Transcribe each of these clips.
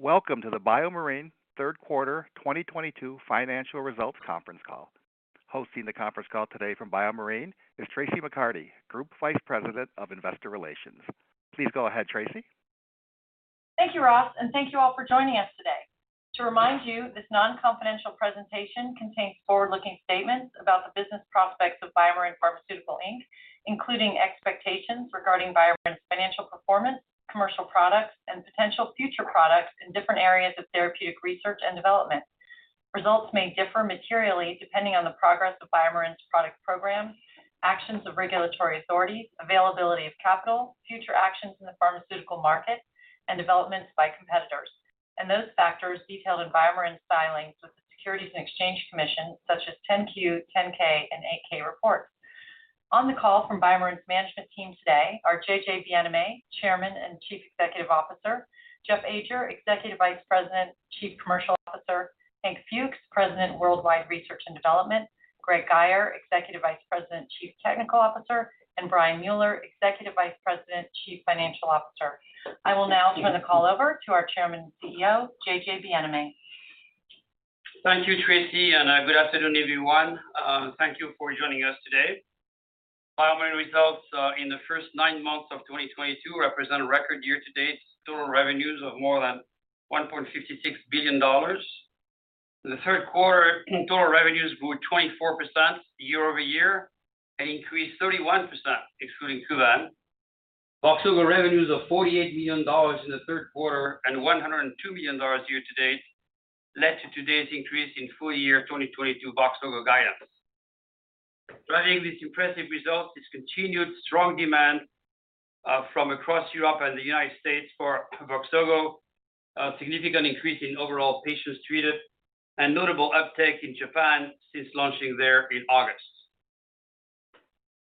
Welcome to the BioMarin Third Quarter 2022 Financial Results Conference Call. Hosting the conference call today from BioMarin is Traci McCarty, Group Vice President of Investor Relations. Please go ahead, Traci. Thank you, Ross, and thank you all for joining us today. To remind you, this non-confidential presentation contains forward-looking statements about the business prospects of BioMarin Pharmaceutical Inc., including expectations regarding BioMarin's financial performance, commercial products, and potential future products in different areas of therapeutic research and development. Results may differ materially depending on the progress of BioMarin's product program, actions of regulatory authorities, availability of capital, future actions in the pharmaceutical market, and developments by competitors, and those factors detailed in BioMarin's filings with the Securities and Exchange Commission, such as 10-Q, 10-K, and 8-K reports. On the call from BioMarin's management team today are JJ Bienaimé, Chairman and Chief Executive Officer, Jeff Ajer, Executive Vice President, Chief Commercial Officer, Hank Fuchs, President, Worldwide Research and Development, Greg Guyer, Executive Vice President, Chief Technical Officer, and Brian Mueller, Executive Vice President, Chief Financial Officer. I will now turn the call over to our Chairman and CEO, JJ Bienaimé. Thank you, Tracy, and good afternoon, everyone. Thank you for joining us today. BioMarin results in the first nine months of 2022 represent a record year-to-date total revenues of more than $1.56 billion. The third quarter in total revenues grew 24% year-over-year and increased 31% excluding KUVAN. VOXZOGO revenues of $48 million in the third quarter and $102 million year-to-date led to today's increase in full-year 2022 VOXZOGO guidance. Driving this impressive result is continued strong demand from across Europe and the United States for VOXZOGO, a significant increase in overall patients treated and notable uptake in Japan since launching there in August.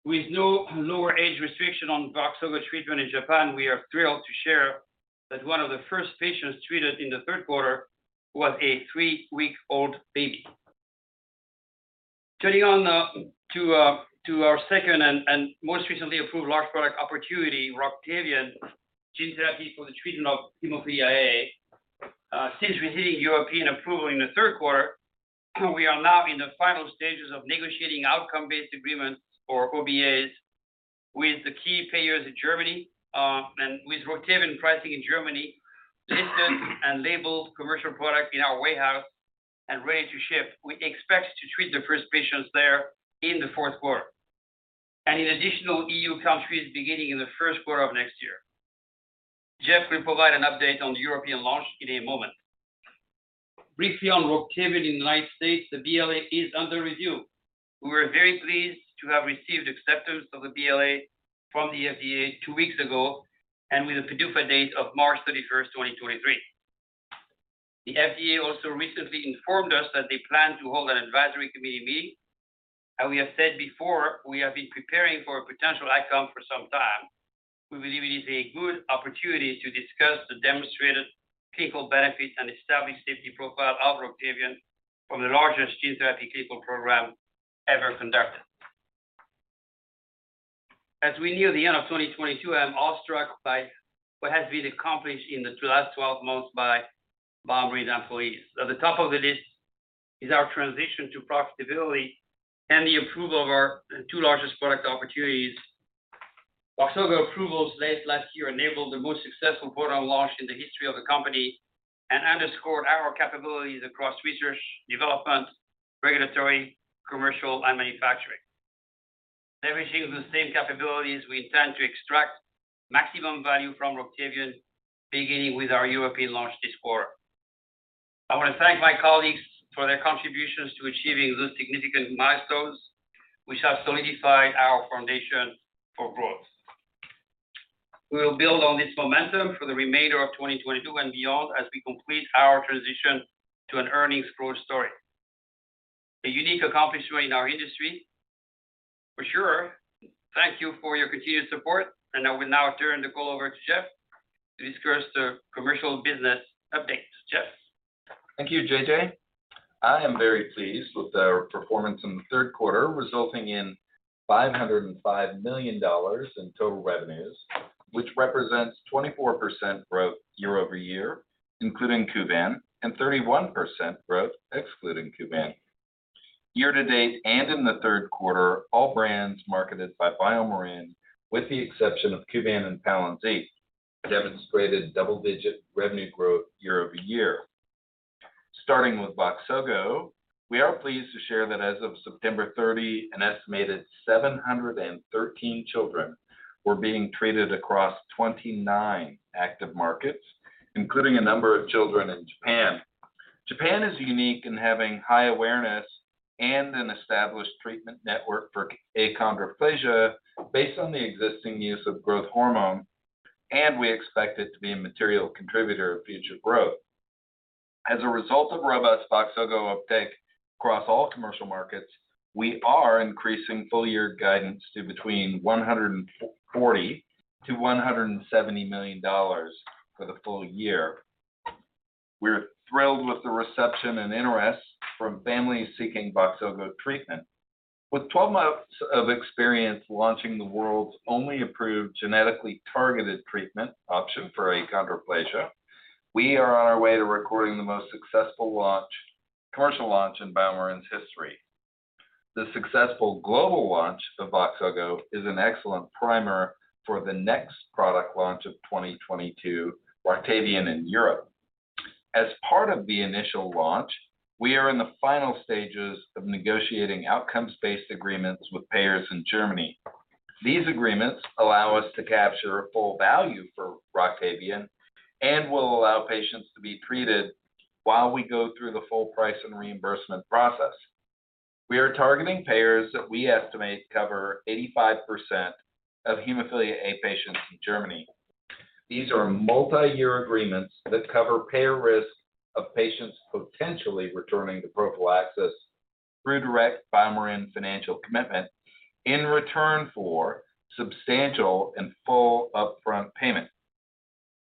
With no lower age restriction on VOXZOGO treatment in Japan, we are thrilled to share that one of the first patients treated in the third quarter was a three-week-old baby. Turning to our second and most recently approved large product opportunity, ROCTAVIAN, gene therapy for the treatment of hemophilia A. Since receiving European approval in the third quarter, we are now in the final stages of negotiating outcome-based agreements or OBAs with the key payers in Germany. With ROCTAVIAN pricing in Germany listed and labeled commercial product in our warehouse and ready to ship. We expect to treat the first patients there in the fourth quarter. In additional E.U. countries beginning in the first quarter of next year. Jeff will provide an update on the European launch in a moment. Briefly on ROCTAVIAN in the United States, the BLA is under review. We were very pleased to have received acceptance of the BLA from the FDA two weeks ago and with a PDUFA date of March 31st, 2023. The FDA also recently informed us that they plan to hold an advisory committee meeting. As we have said before, we have been preparing for a potential outcome for some time. We believe it is a good opportunity to discuss the demonstrated clinical benefits and established safety profile of ROCTAVIAN from the largest gene therapy clinical program ever conducted. As we near the end of 2022, I'm awestruck by what has been accomplished in the last 12 months by BioMarin employees. At the top of the list is our transition to profitability and the approval of our two largest product opportunities. VOXZOGO approvals late last year enabled the most successful product launch in the history of the company and underscored our capabilities across research, development, regulatory, commercial, and manufacturing. Leveraging the same capabilities, we intend to extract maximum value from ROCTAVIAN, beginning with our European launch this quarter. I want to thank my colleagues for their contributions to achieving those significant milestones which have solidified our foundation for growth. We will build on this momentum for the remainder of 2022 and beyond as we complete our transition to an earnings growth story. A unique accomplishment in our industry, for sure. Thank you for your continued support. I will now turn the call over to Jeff to discuss the commercial business updates. Jeff. Thank you, JJ. I am very pleased with our performance in the third quarter, resulting in $505 million in total revenues, which represents 24% growth year-over-year, including KUVAN, and 31% growth excluding KUVAN. Year-to-date and in the third quarter, all brands marketed by BioMarin, with the exception of KUVAN and PALYNZIQ, demonstrated double-digit revenue growth year-over-year. Starting with VOXZOGO, we are pleased to share that as of September 30, an estimated 713 children were being treated across 29 active markets, including a number of children in Japan. Japan is unique in having high awareness and an established treatment network for achondroplasia based on the existing use of growth hormone, and we expect it to be a material contributor of future growth. As a result of robust VOXZOGO uptake across all commercial markets, we are increasing full year guidance to between $140 million-$170 million for the full year. We're thrilled with the reception and interest from families seeking VOXZOGO treatment. With 12 months of experience launching the world's only approved genetically targeted treatment option for achondroplasia, we are on our way to recording the most successful launch, commercial launch in BioMarin's history. The successful global launch of VOXZOGO is an excellent primer for the next product launch of 2022, ROCTAVIAN in Europe. As part of the initial launch, we are in the final stages of negotiating outcomes-based agreements with payers in Germany. These agreements allow us to capture full value for ROCTAVIAN and will allow patients to be treated while we go through the full price and reimbursement process. We are targeting payers that we estimate cover 85% of hemophilia A patients in Germany. These are multi-year agreements that cover payer risk of patients potentially returning to prophylaxis through direct BioMarin financial commitment in return for substantial and full upfront payment.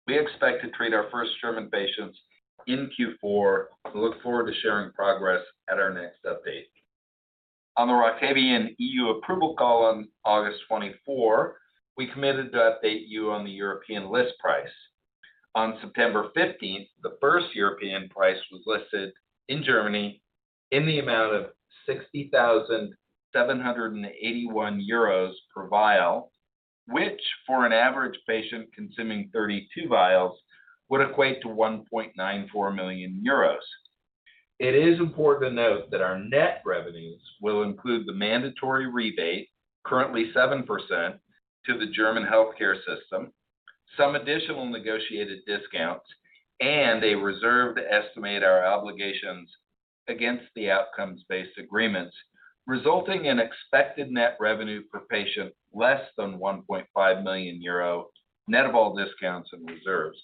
We expect to treat our first German patients in Q4 and look forward to sharing progress at our next update. On the ROCTAVIAN E.U. approval call on August 24, we committed to update you on the European list price. On September 15th, the first European price was listed in Germany in the amount of 60,781 euros per vial, which for an average patient consuming 32 vials would equate to 1.94 million euros. It is important to note that our net revenues will include the mandatory rebate, currently 7% to the German healthcare system, some additional negotiated discounts, and a reserve to estimate our obligations against the outcomes-based agreements, resulting in expected net revenue per patient less than 1.5 million euro net of all discounts and reserves.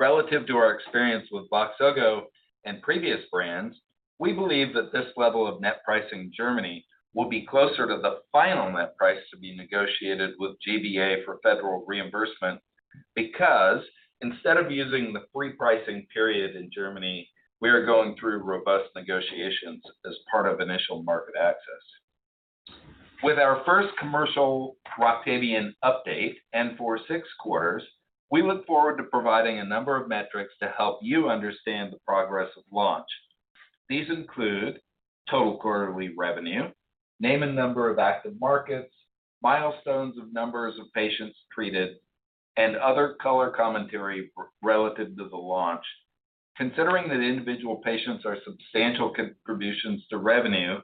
Relative to our experience with VOXZOGO and previous brands, we believe that this level of net price in Germany will be closer to the final net price to be negotiated with GBA for federal reimbursement, because instead of using the free pricing period in Germany, we are going through robust negotiations as part of initial market access. With our first commercial ROCTAVIAN update and for six quarters, we look forward to providing a number of metrics to help you understand the progress of launch. These include total quarterly revenue, name and number of active markets, milestones of numbers of patients treated, and other color commentary relative to the launch. Considering that individual patients are substantial contributions to revenue,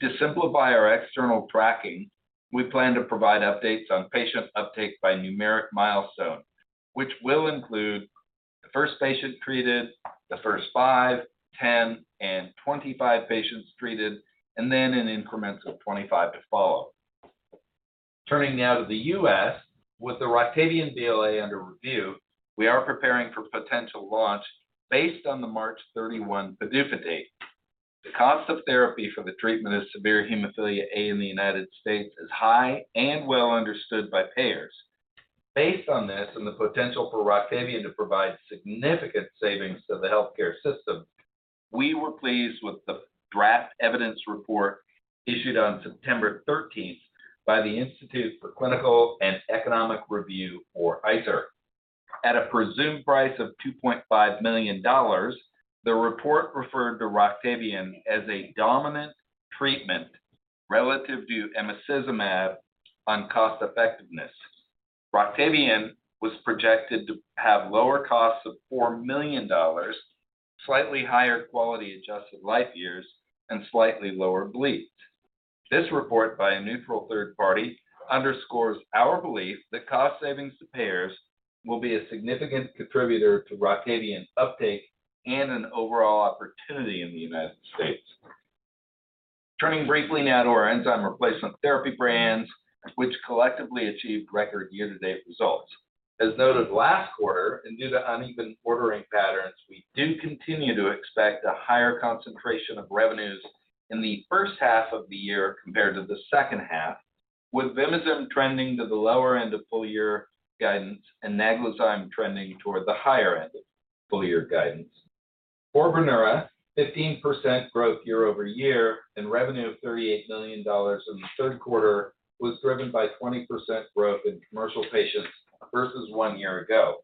to simplify our external tracking, we plan to provide updates on patient uptake by numeric milestone, which will include the first patient treated, the first five, 10, and 25 patients treated, and then in increments of 25 to follow. Turning now to the U.S., with the ROCTAVIAN BLA under review, we are preparing for potential launch based on the March 31 PDUFA date. The cost of therapy for the treatment of severe hemophilia A in the United States is high and well understood by payers. Based on this and the potential for ROCTAVIAN to provide significant savings to the healthcare system, we were pleased with the draft evidence report issued on September 13th by the Institute for Clinical and Economic Review, or ICER. At a presumed price of $2.5 million, the report referred to ROCTAVIAN as a dominant treatment relative to emicizumab on cost-effectiveness. ROCTAVIAN was projected to have lower costs of $4 million, slightly higher quality-adjusted life years, and slightly lower bleeds. This report by a neutral third party underscores our belief that cost savings to payers will be a significant contributor to ROCTAVIAN's uptake and an overall opportunity in the United States. Turning briefly now to our enzyme replacement therapy brands, which collectively achieved record year-to-date results. As noted last quarter, and due to uneven ordering patterns, we do continue to expect a higher concentration of revenues in the first half of the year compared to the second half, with VIMIZIM trending to the lower end of full-year guidance and NAGLAZYME trending toward the higher end of full-year guidance. For BRINEURA, 15% growth year-over-year and revenue of $38 million in the third quarter was driven by 20% growth in commercial patients versus one year ago.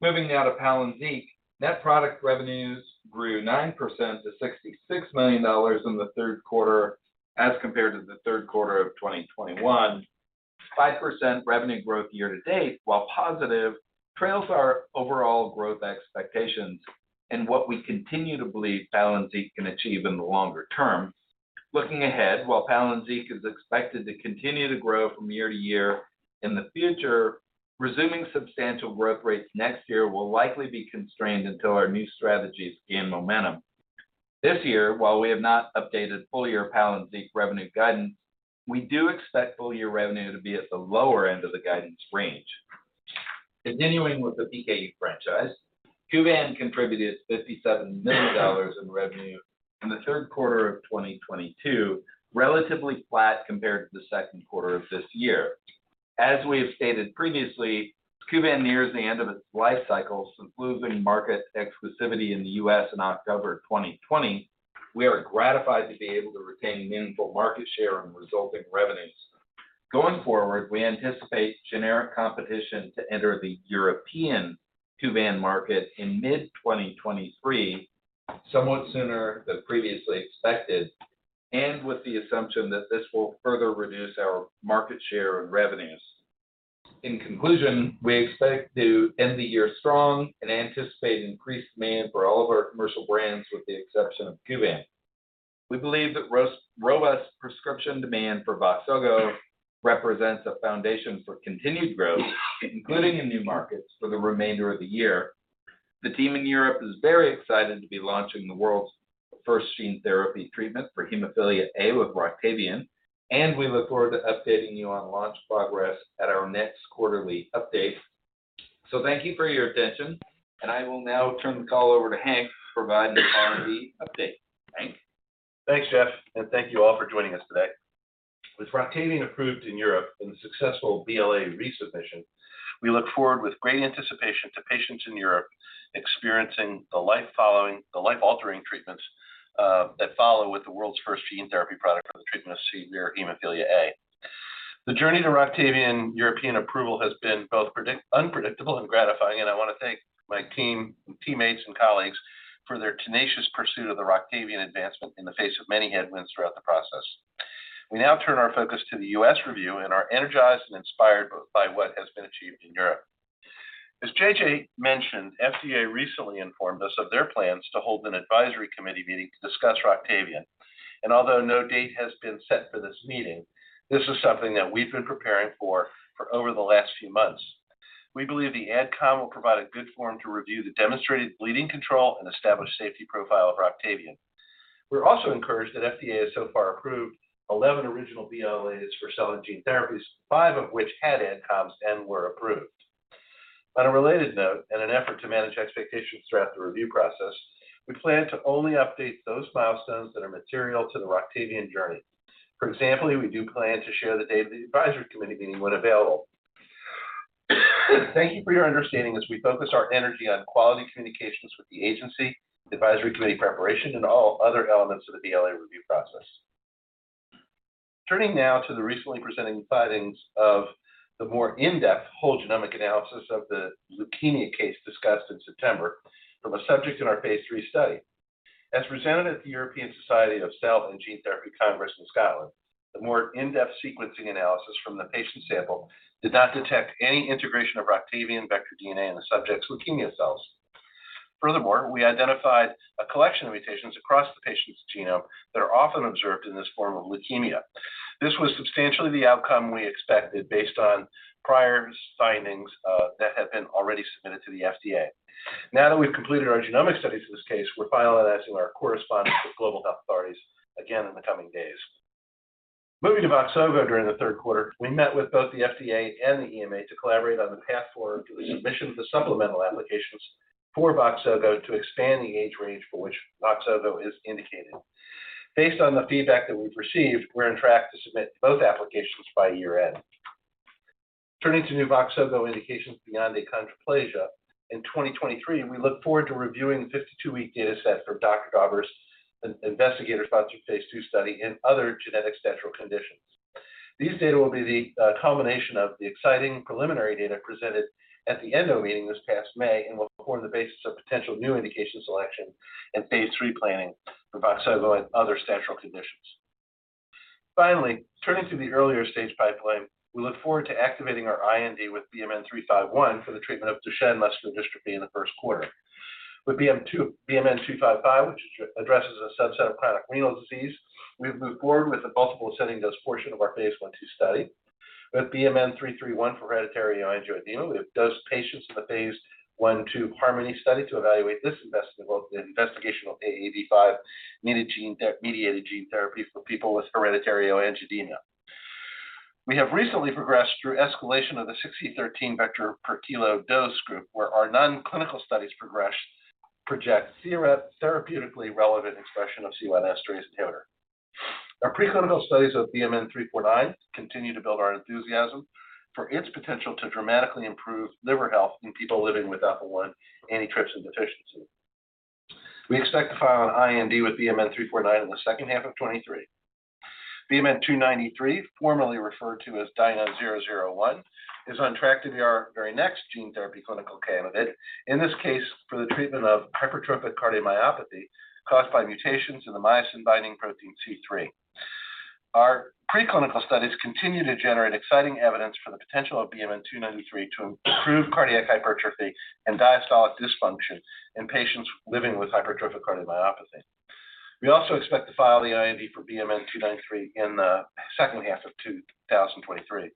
Moving now to PALYNZIQ, net product revenues grew 9% to $66 million in the third quarter as compared to the third quarter of 2021. 5% revenue growth year-to-date, while positive, trails our overall growth expectations and what we continue to believe PALYNZIQ can achieve in the longer term. Looking ahead, while PALYNZIQ is expected to continue to grow from year to year in the future, resuming substantial growth rates next year will likely be constrained until our new strategies gain momentum. This year, while we have not updated full-year PALYNZIQ revenue guidance, we do expect full-year revenue to be at the lower end of the guidance range. Continuing with the PKU franchise, KUVAN contributed $57 million in revenue in the third quarter of 2022, relatively flat compared to the second quarter of this year. As we have stated previously, KUVAN nears the end of its life cycle, since losing market exclusivity in the U.S. in October 2020, we are gratified to be able to retain meaningful market share and resulting revenues. Going forward, we anticipate generic competition to enter the European KUVAN market in mid-2023, somewhat sooner than previously expected, and with the assumption that this will further reduce our market share and revenues. In conclusion, we expect to end the year strong and anticipate increased demand for all of our commercial brands, with the exception of KUVAN. We believe that robust prescription demand for VOXZOGO represents a foundation for continued growth, including in new markets for the remainder of the year. The team in Europe is very excited to be launching the world's first gene therapy treatment for hemophilia A with ROCTAVIAN, and we look forward to updating you on launch progress at our next quarterly update. Thank you for your attention, and I will now turn the call over to Hank to provide the R&D update. Hank. Thanks, Jeff, and thank you all for joining us today. With ROCTAVIAN approved in Europe and the successful BLA resubmission, we look forward with great anticipation to patients in Europe experiencing the life-altering treatments that follow with the world's first gene therapy product for the treatment of severe hemophilia A. The journey to ROCTAVIAN European approval has been both unpredictable and gratifying, and I wanna thank my team, teammates and colleagues for their tenacious pursuit of the ROCTAVIAN advancement in the face of many headwinds throughout the process. We now turn our focus to the U.S. review and are energized and inspired by what has been achieved in Europe. As JJ mentioned, FDA recently informed us of their plans to hold an advisory committee meeting to discuss ROCTAVIAN, and although no date has been set for this meeting, this is something that we've been preparing for over the last few months. We believe the AdCom will provide a good forum to review the demonstrated bleeding control and established safety profile of ROCTAVIAN. We're also encouraged that FDA has so far approved 11 original BLAs for cell and gene therapies, five of which had AdComs and were approved. On a related note, in an effort to manage expectations throughout the review process, we plan to only update those milestones that are material to the ROCTAVIAN journey. For example, we do plan to share the date of the advisory committee meeting when available. Thank you for your understanding as we focus our energy on quality communications with the agency, the advisory committee preparation, and all other elements of the BLA review process. Turning now to the recently presented findings of the more in-depth whole genomic analysis of the leukemia case discussed in September from a subject in our phase III study. As presented at the European Society of Gene and Cell Therapy Congress in Scotland, the more in-depth sequencing analysis from the patient sample did not detect any integration of ROCTAVIAN vector DNA in the subject's leukemia cells. Furthermore, we identified a collection of mutations across the patient's genome that are often observed in this form of leukemia. This was substantially the outcome we expected based on prior findings that had been already submitted to the FDA. Now that we've completed our genomic studies for this case, we're finalizing our correspondence with global health authorities again in the coming days. Moving to VOXZOGO during the third quarter, we met with both the FDA and the EMA to collaborate on the path forward to the submission of the supplemental applications for VOXZOGO to expand the age range for which VOXZOGO is indicated. Based on the feedback that we've received, we're on track to submit both applications by year-end. Turning to new VOXZOGO indications beyond achondroplasia, in 2023, we look forward to reviewing the 52-week data set from Dr. Ravi Savarirayan's investigator-sponsored phase II study in other genetic skeletal conditions. These data will be the culmination of the exciting preliminary data presented at the end of a meeting this past May and will form the basis of potential new indication selection and phase III planning for VOXZOGO and other skeletal conditions. Finally, turning to the earlier stage pipeline, we look forward to activating our IND with BMN 351 for the treatment of Duchenne muscular dystrophy in the first quarter. With BMN 255, which addresses a subset of chronic renal disease, we've moved forward with the multiple ascending dose portion of our phase I/II study. With BMN 331 for hereditary angioedema, it dosed patients in the phase I/II HARMONY study to evaluate this investigational AAV5 mediated gene therapy for people with hereditary angioedema. We have recently progressed through escalation of the 6x10^13 vg/kg dose group, where our nonclinical studies project therapeutically relevant expression of C1 esterase inhibitor. Our preclinical studies of BMN 349 continue to build our enthusiasm for its potential to dramatically improve liver health in people living with Alpha-1 antitrypsin deficiency. We expect to file an IND with BMN 349 in the second half of 2023. BMN 293, formerly referred to as DiNA-001, is on track to be our very next gene therapy clinical candidate, in this case for the treatment of hypertrophic cardiomyopathy caused by mutations in the myosin-binding protein C3. Our preclinical studies continue to generate exciting evidence for the potential of BMN 293 to improve cardiac hypertrophy and diastolic dysfunction in patients living with hypertrophic cardiomyopathy. We also expect to file the IND for BMN 293 in the second half of 2023.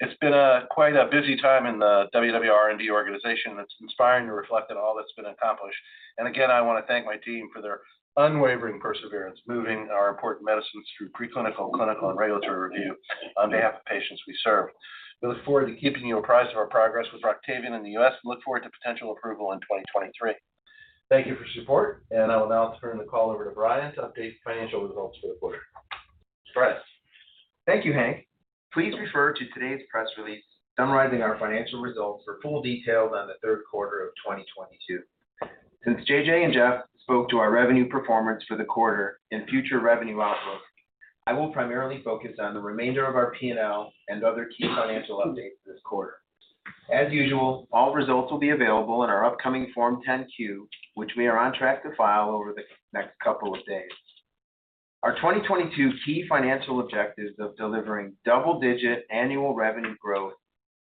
It's been quite a busy time in the WW R&D organization, and it's inspiring to reflect on all that's been accomplished. Again, I wanna thank my team for their unwavering perseverance, moving our important medicines through preclinical, clinical, and regulatory review on behalf of patients we serve. We look forward to keeping you apprised of our progress with ROCTAVIAN in the U.S. and look forward to potential approval in 2023. Thank you for your support, and I will now turn the call over to Brian to update the financial results for the quarter. Thanks. Thank you, Hank. Please refer to today's press release summarizing our financial results for full details on the third quarter of 2022. Since JJ and Jeff spoke to our revenue performance for the quarter and future revenue outlook, I will primarily focus on the remainder of our P&L and other key financial updates this quarter. As usual, all results will be available in our upcoming Form 10-Q, which we are on track to file over the next couple of days. Our 2022 key financial objectives of delivering double-digit annual revenue growth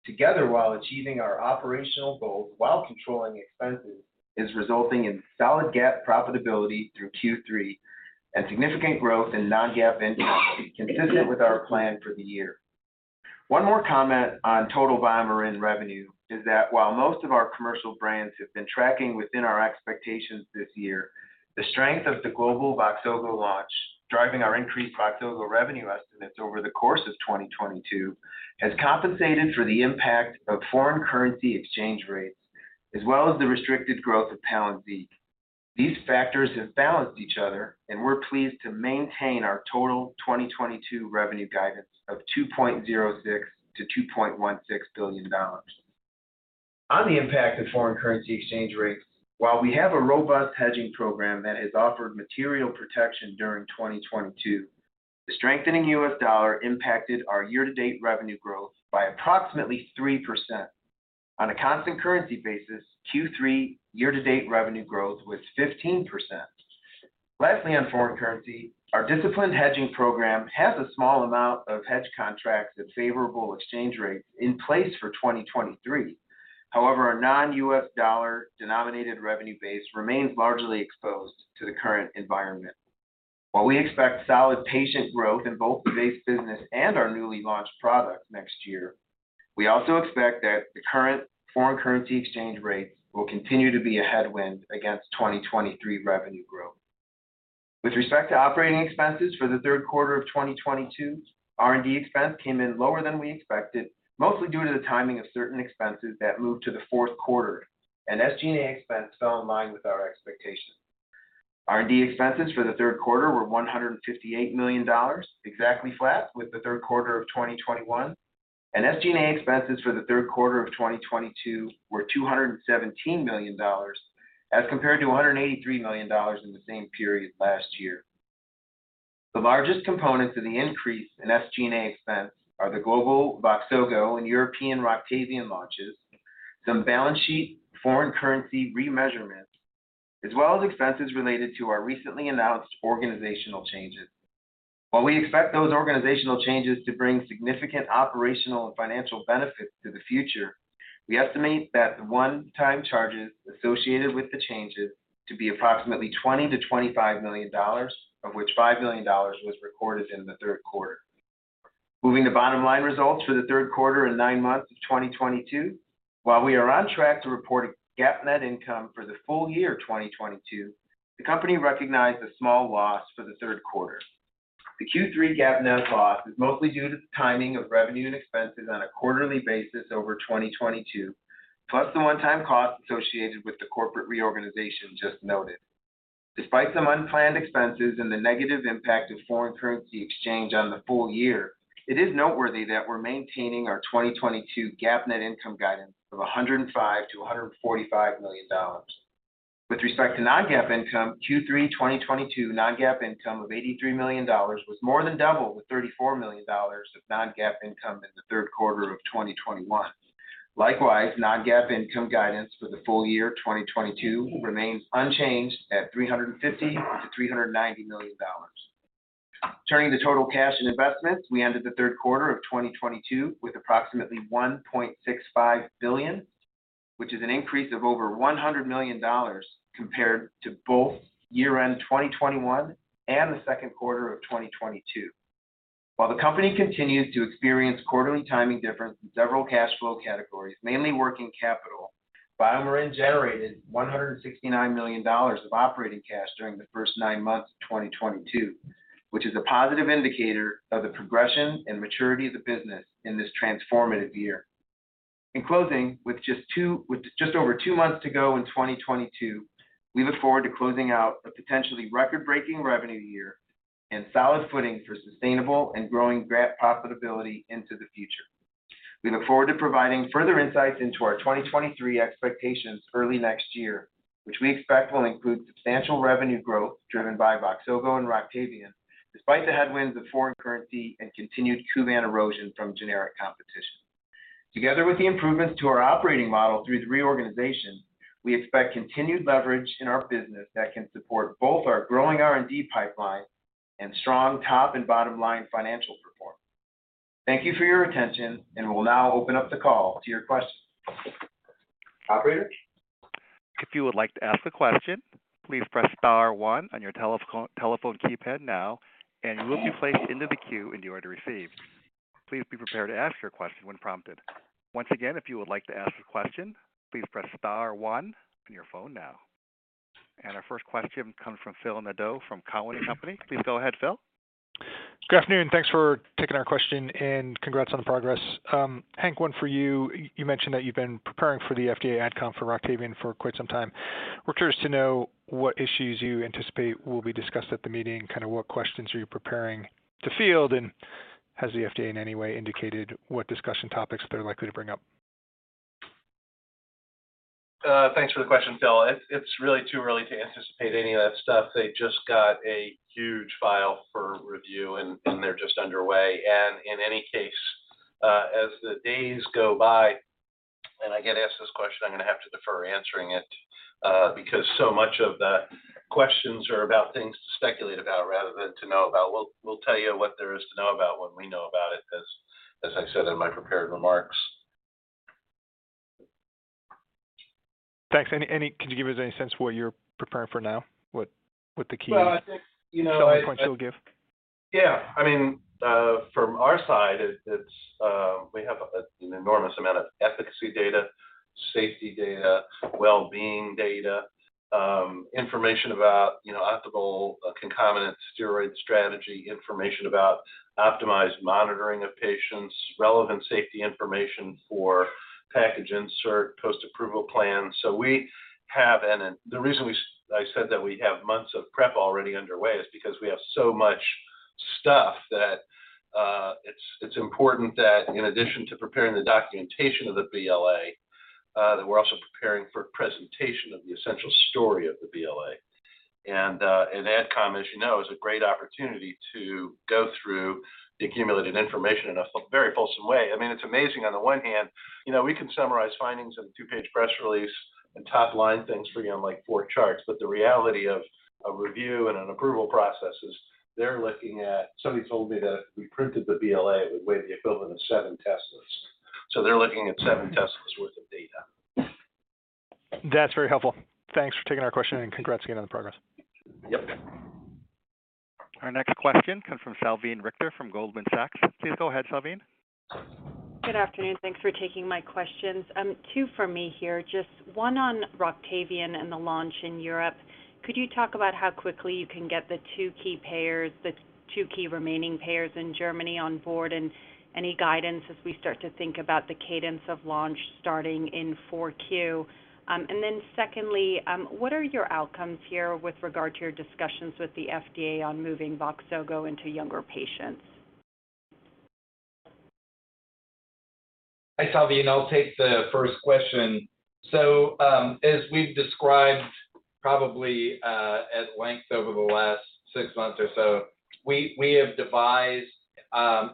together while achieving our operational goals while controlling expenses is resulting in solid GAAP profitability through Q3 and significant growth in non-GAAP income consistent with our plan for the year. One more comment on total BioMarin revenue is that while most of our commercial brands have been tracking within our expectations this year, the strength of the global VOXZOGO launch driving our increased VOXZOGO revenue estimates over the course of 2022 has compensated for the impact of foreign currency exchange rates as well as the restricted growth of PALYNZIQ. These factors have balanced each other, and we're pleased to maintain our total 2022 revenue guidance of $2.06 billion-$2.16 billion. On the impact of foreign currency exchange rates, while we have a robust hedging program that has offered material protection during 2022, the strengthening U.S. dollar impacted our year-to-date revenue growth by approximately 3%. On a constant currency basis, Q3 year-to-date revenue growth was 15%. Lastly, on foreign currency, our disciplined hedging program has a small amount of hedge contracts at favorable exchange rates in place for 2023. However, our non-U.S. Dollar-denominated revenue base remains largely exposed to the current environment. While we expect solid patient growth in both the base business and our newly launched products next year, we also expect that the current foreign currency exchange rates will continue to be a headwind against 2023 revenue growth. With respect to operating expenses for the third quarter of 2022, R&D expense came in lower than we expected, mostly due to the timing of certain expenses that moved to the fourth quarter, and SG&A expense fell in line with our expectations. R&D expenses for the third quarter were $158 million, exactly flat with the third quarter of 2021. SG&A expenses for the third quarter of 2022 were $217 million as compared to $183 million in the same period last year. The largest components of the increase in SG&A expense are the global VOXZOGO and European ROCTAVIAN launches, some balance sheet foreign currency remeasurements, as well as expenses related to our recently announced organizational changes. While we expect those organizational changes to bring significant operational and financial benefits to the future, we estimate that the one-time charges associated with the changes to be approximately $20 million-$25 million, of which $5 million was recorded in the third quarter. Moving to bottom line results for the third quarter and nine months of 2022. While we are on track to report a GAAP net income for the full year of 2022, the company recognized a small loss for the third quarter. The Q3 GAAP net loss is mostly due to the timing of revenue and expenses on a quarterly basis over 2022, plus the one-time costs associated with the corporate reorganization just noted. Despite some unplanned expenses and the negative impact of foreign currency exchange on the full year, it is noteworthy that we're maintaining our 2022 GAAP net income guidance of $105 million-$145 million. With respect to non-GAAP income, Q3 2022 non-GAAP income of $83 million was more than double the $34 million of non-GAAP income in the third quarter of 2021. Likewise, non-GAAP income guidance for the full year 2022 remains unchanged at $350 million-$390 million. Turning to total cash and investments, we ended the third quarter of 2022 with approximately $1.65 billion, which is an increase of over $100 million compared to both year-end 2021 and the second quarter of 2022. While the company continues to experience quarterly timing difference in several cash flow categories, mainly working capital, BioMarin generated $169 million of operating cash during the first nine months of 2022, which is a positive indicator of the progression and maturity of the business in this transformative year. In closing, with just over two months to go in 2022, we look forward to closing out a potentially record-breaking revenue year and solid footing for sustainable and growing gross profitability into the future. We look forward to providing further insights into our 2023 expectations early next year, which we expect will include substantial revenue growth driven by VOXZOGO and ROCTAVIAN, despite the headwinds of foreign currency and continued KUVAN erosion from generic competition. Together with the improvements to our operating model through the reorganization, we expect continued leverage in our business that can support both our growing R&D pipeline and strong top and bottom line financial performance. Thank you for your attention, and we'll now open up the call to your questions. Operator? If you would like to ask a question, please press star one on your telephone keypad now and you will be placed into the queue in the order received. Please be prepared to ask your question when prompted. Once again, if you would like to ask a question, please press star one on your phone now. Our first question comes from Phil Nadeau from Cowen & Company. Please go ahead, Phil. Good afternoon. Thanks for taking our question, and congrats on the progress. Hank, one for you. You mentioned that you've been preparing for the FDA AdCom for ROCTAVIAN for quite some time. We're curious to know what issues you anticipate will be discussed at the meeting, kind of what questions are you preparing to field, and has the FDA in any way indicated what discussion topics they're likely to bring up? Thanks for the question, Phil. It's really too early to anticipate any of that stuff. They just got a huge file for review, and they're just underway. In any case, as the days go by and I get asked this question, I'm gonna have to defer answering it, because so much of the questions are about things to speculate about rather than to know about. We'll tell you what there is to know about when we know about it, as I said in my prepared remarks. Thanks. Can you give us any sense what you're preparing for now? What the key? Well, I think, you know, Key selling points you'll give? Yeah. I mean, from our side it's we have an enormous amount of efficacy data, safety data, well-being data, information about, you know, optimal concomitant steroid strategy, information about optimized monitoring of patients, relevant safety information for package insert, post-approval plans. The reason I said that we have months of prep already underway is because we have so much stuff that it's important that in addition to preparing the documentation of the BLA, that we're also preparing for presentation of the essential story of the BLA. An AdCom, as you know, is a great opportunity to go through the accumulated information in a very fulsome way. I mean, it's amazing on the one hand, you know, we can summarize findings in a two-page press release and top line things for you on, like, four charts, but the reality of a review and an approval process is they're looking at—somebody told me that if we printed the BLA, it would weigh the equivalent of seven Teslas. So they're looking at seven Teslas worth of data. That's very helpful. Thanks for taking our question, and congrats again on the progress. Yep. Our next question comes from Salveen Richter from Goldman Sachs. Please go ahead, Salveen. Good afternoon. Thanks for taking my questions. Two for me here, just one on ROCTAVIAN and the launch in Europe. Could you talk about how quickly you can get the two key payers, the two key remaining payers in Germany on board, and any guidance as we start to think about the cadence of launch starting in 4Q? Secondly, what are your outcomes here with regard to your discussions with the FDA on moving VOXZOGO into younger patients? Hi, Salveen. I'll take the first question. As we've described probably at length over the last six months or so, we have devised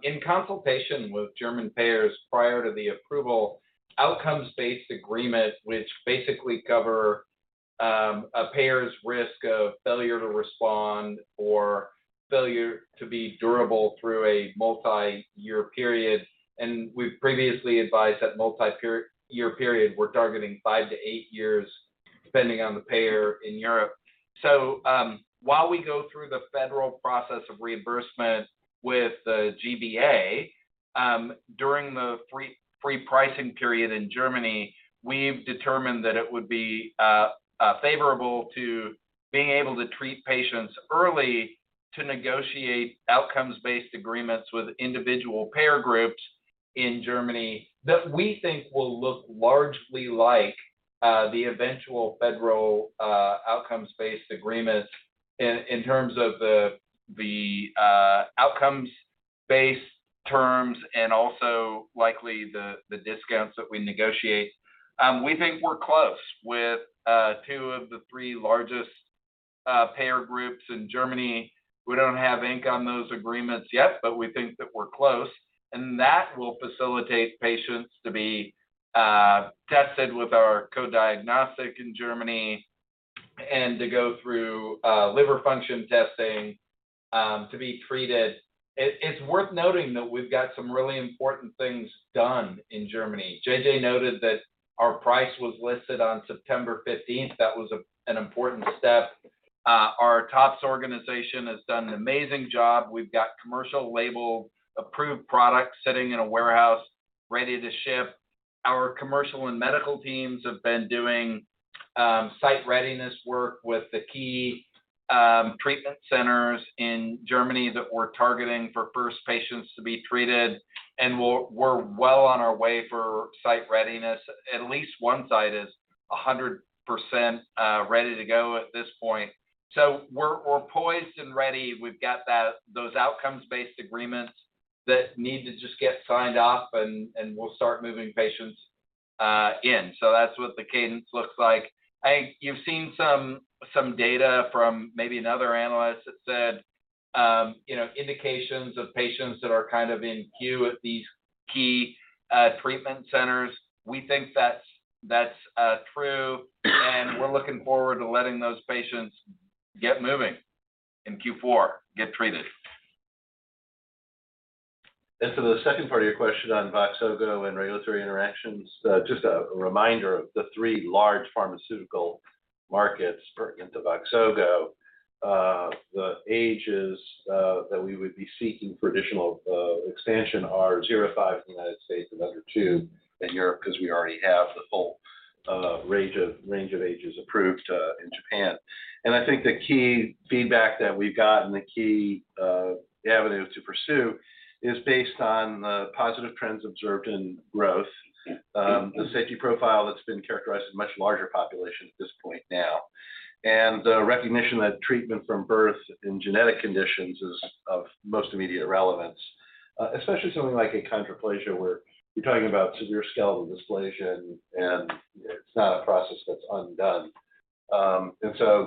in consultation with German payers prior to the approval, outcome-based agreement, which basically cover a payer's risk of failure to respond or failure to be durable through a multi-year period. We've previously advised that multi-year period, we're targeting five to eight years, depending on the payer in Europe. While we go through the federal process of reimbursement with the GBA, during the free pricing period in Germany, we've determined that it would be favorable to being able to treat patients early to negotiate outcomes-based agreements with individual payer groups in Germany, that we think will look largely like the eventual federal outcomes-based agreements in terms of the outcomes-based terms, and also likely the discounts that we negotiate. We think we're close with two of the three largest payer groups in Germany. We don't have ink on those agreements yet, but we think that we're close, and that will facilitate patients to be tested with our co-diagnostic in Germany and to go through liver function testing to be treated. It's worth noting that we've got some really important things done in Germany. JJ noted that our price was listed on September 15th. That was an important step. Our TOPS organization has done an amazing job. We've got commercial label approved products sitting in a warehouse ready to ship. Our commercial and medical teams have been doing site readiness work with the key treatment centers in Germany that we're targeting for first patients to be treated, and we're well on our way for site readiness. At least one site is 100% ready to go at this point. We're poised and ready. We've got those outcome-based agreements that need to just get signed off, and we'll start moving patients in. That's what the cadence looks like. You've seen some data from maybe another analyst that said, you know, indications of patients that are kind of in queue at these key treatment centers. We think that's true, and we're looking forward to letting those patients get moving in Q4, get treated. For the second part of your question on VOXZOGO and regulatory interactions, just a reminder of the three large pharmaceutical markets pertinent to VOXZOGO. The ages that we would be seeking for additional expansion are zero to five in the United States and under two in Europe, 'cause we already have the full range of ages approved in Japan. I think the key feedback that we've gotten, the avenue to pursue is based on the positive trends observed in growth, the safety profile that's been characterized in a much larger population at this point now. The recognition that treatment from birth in genetic conditions is of most immediate relevance, especially something like achondroplasia, where you're talking about severe skeletal dysplasia and it's not a process that's undone.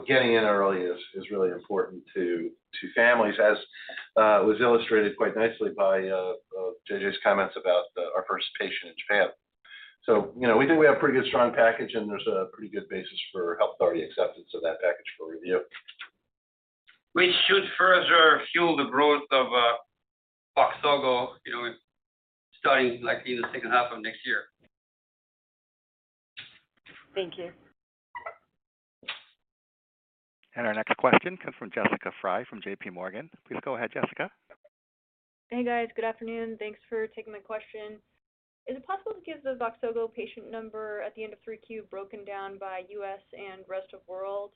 Getting in early is really important to families, as was illustrated quite nicely by JJ's comments about our first patient in Japan. You know, we think we have pretty good strong package, and there's a pretty good basis for health authority acceptance of that package for review. Which should further fuel the growth of VOXZOGO, you know, in studies like in the second half of next year. Thank you. Our next question comes from Jessica Fye from JPMorgan. Please go ahead, Jessica. Hey, guys. Good afternoon. Thanks for taking my question. Is it possible to give the VOXZOGO patient number at the end of 3Q broken down by U.S. and rest of world?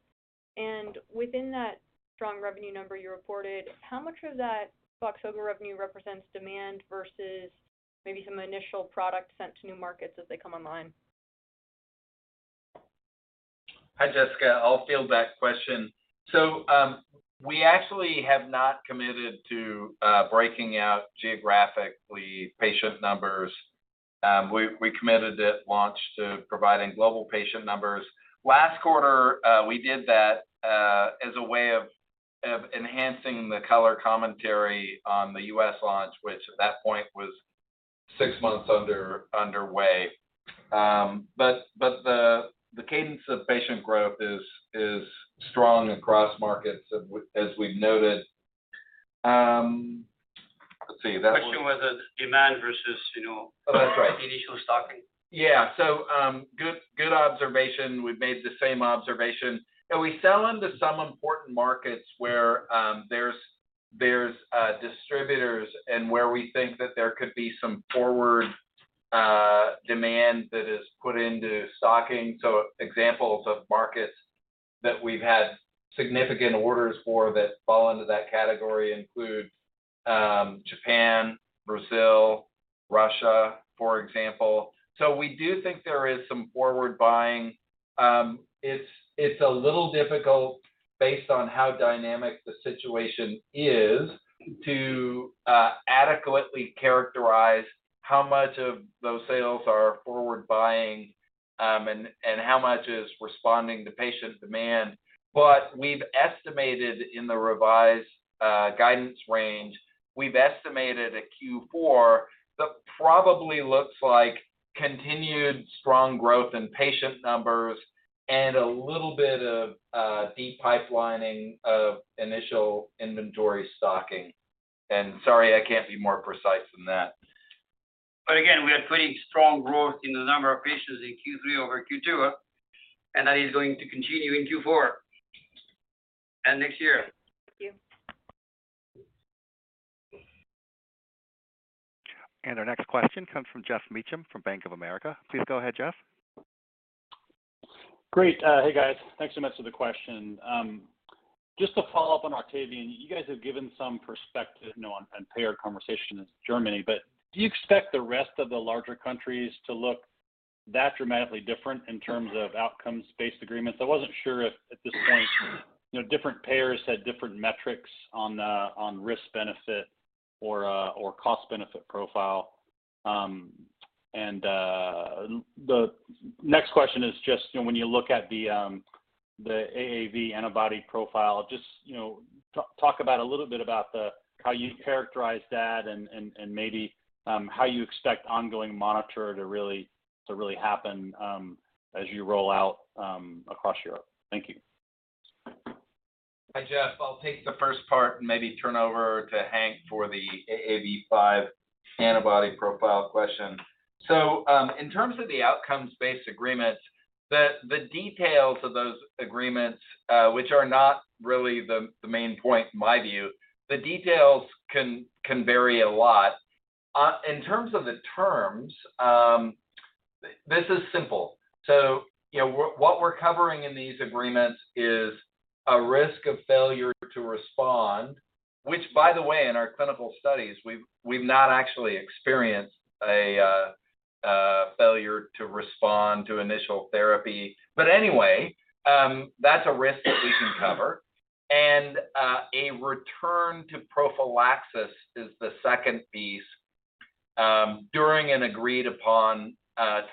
Within that strong revenue number you reported, how much of that VOXZOGO revenue represents demand versus maybe some initial product sent to new markets as they come online? Hi, Jessica. I'll field that question. We actually have not committed to breaking out geographically patient numbers. We committed at launch to providing global patient numbers. Last quarter, we did that as a way of enhancing the color commentary on the U.S. launch, which at that point was six months underway. The cadence of patient growth is strong across markets as we've noted. Question was demand versus, you know. Oh, that's right. Initial stocking. Yeah. Good observation. We've made the same observation. We sell into some important markets where there's distributors and where we think that there could be some forward demand that is put into stocking. Examples of markets that we've had significant orders for that fall into that category include Japan, Brazil, Russia, for example. We do think there is some forward buying. It's a little difficult based on how dynamic the situation is to adequately characterize how much of those sales are forward buying and how much is responding to patient demand. We've estimated in the revised guidance range, we’ve estimated a Q4 that probably looks like continued strong growth in patient numbers and a little bit of deep pipelining of initial inventory stocking. Sorry, I can't be more precise than that. Again, we are posting strong growth in the number of patients in Q3 over Q2, and that is going to continue in Q4 and next year. Thank you. Our next question comes from Geoff Meacham from Bank of America. Please go ahead, Geoff. Great. Hey, guys. Thanks so much for the question. Just to follow up on ROCTAVIAN, you guys have given some perspective, you know, on payer conversation in Germany, but do you expect the rest of the larger countries to look that dramatically different in terms of outcomes-based agreements? I wasn't sure if, you know, different payers had different metrics on the risk benefit or cost benefit profile. The next question is just, you know, when you look at the AAV antibody profile, just, you know, talk a little bit about how you characterize that and maybe how you expect ongoing monitoring to really happen as you roll out across Europe. Thank you. Hi, Geoff. I'll take the first part and maybe turn over to Hank for the AAV5 antibody profile question. In terms of the outcome-based agreements, the details of those agreements, which are not really the main point in my view, the details can vary a lot. In terms of the terms, this is simple. You know, what we're covering in these agreements is a risk of failure to respond—which by the way, in our clinical studies, we've not actually experienced a failure to respond to initial therapy—anyway, that's a risk that we can cover. A return to prophylaxis is the second piece during an agreed upon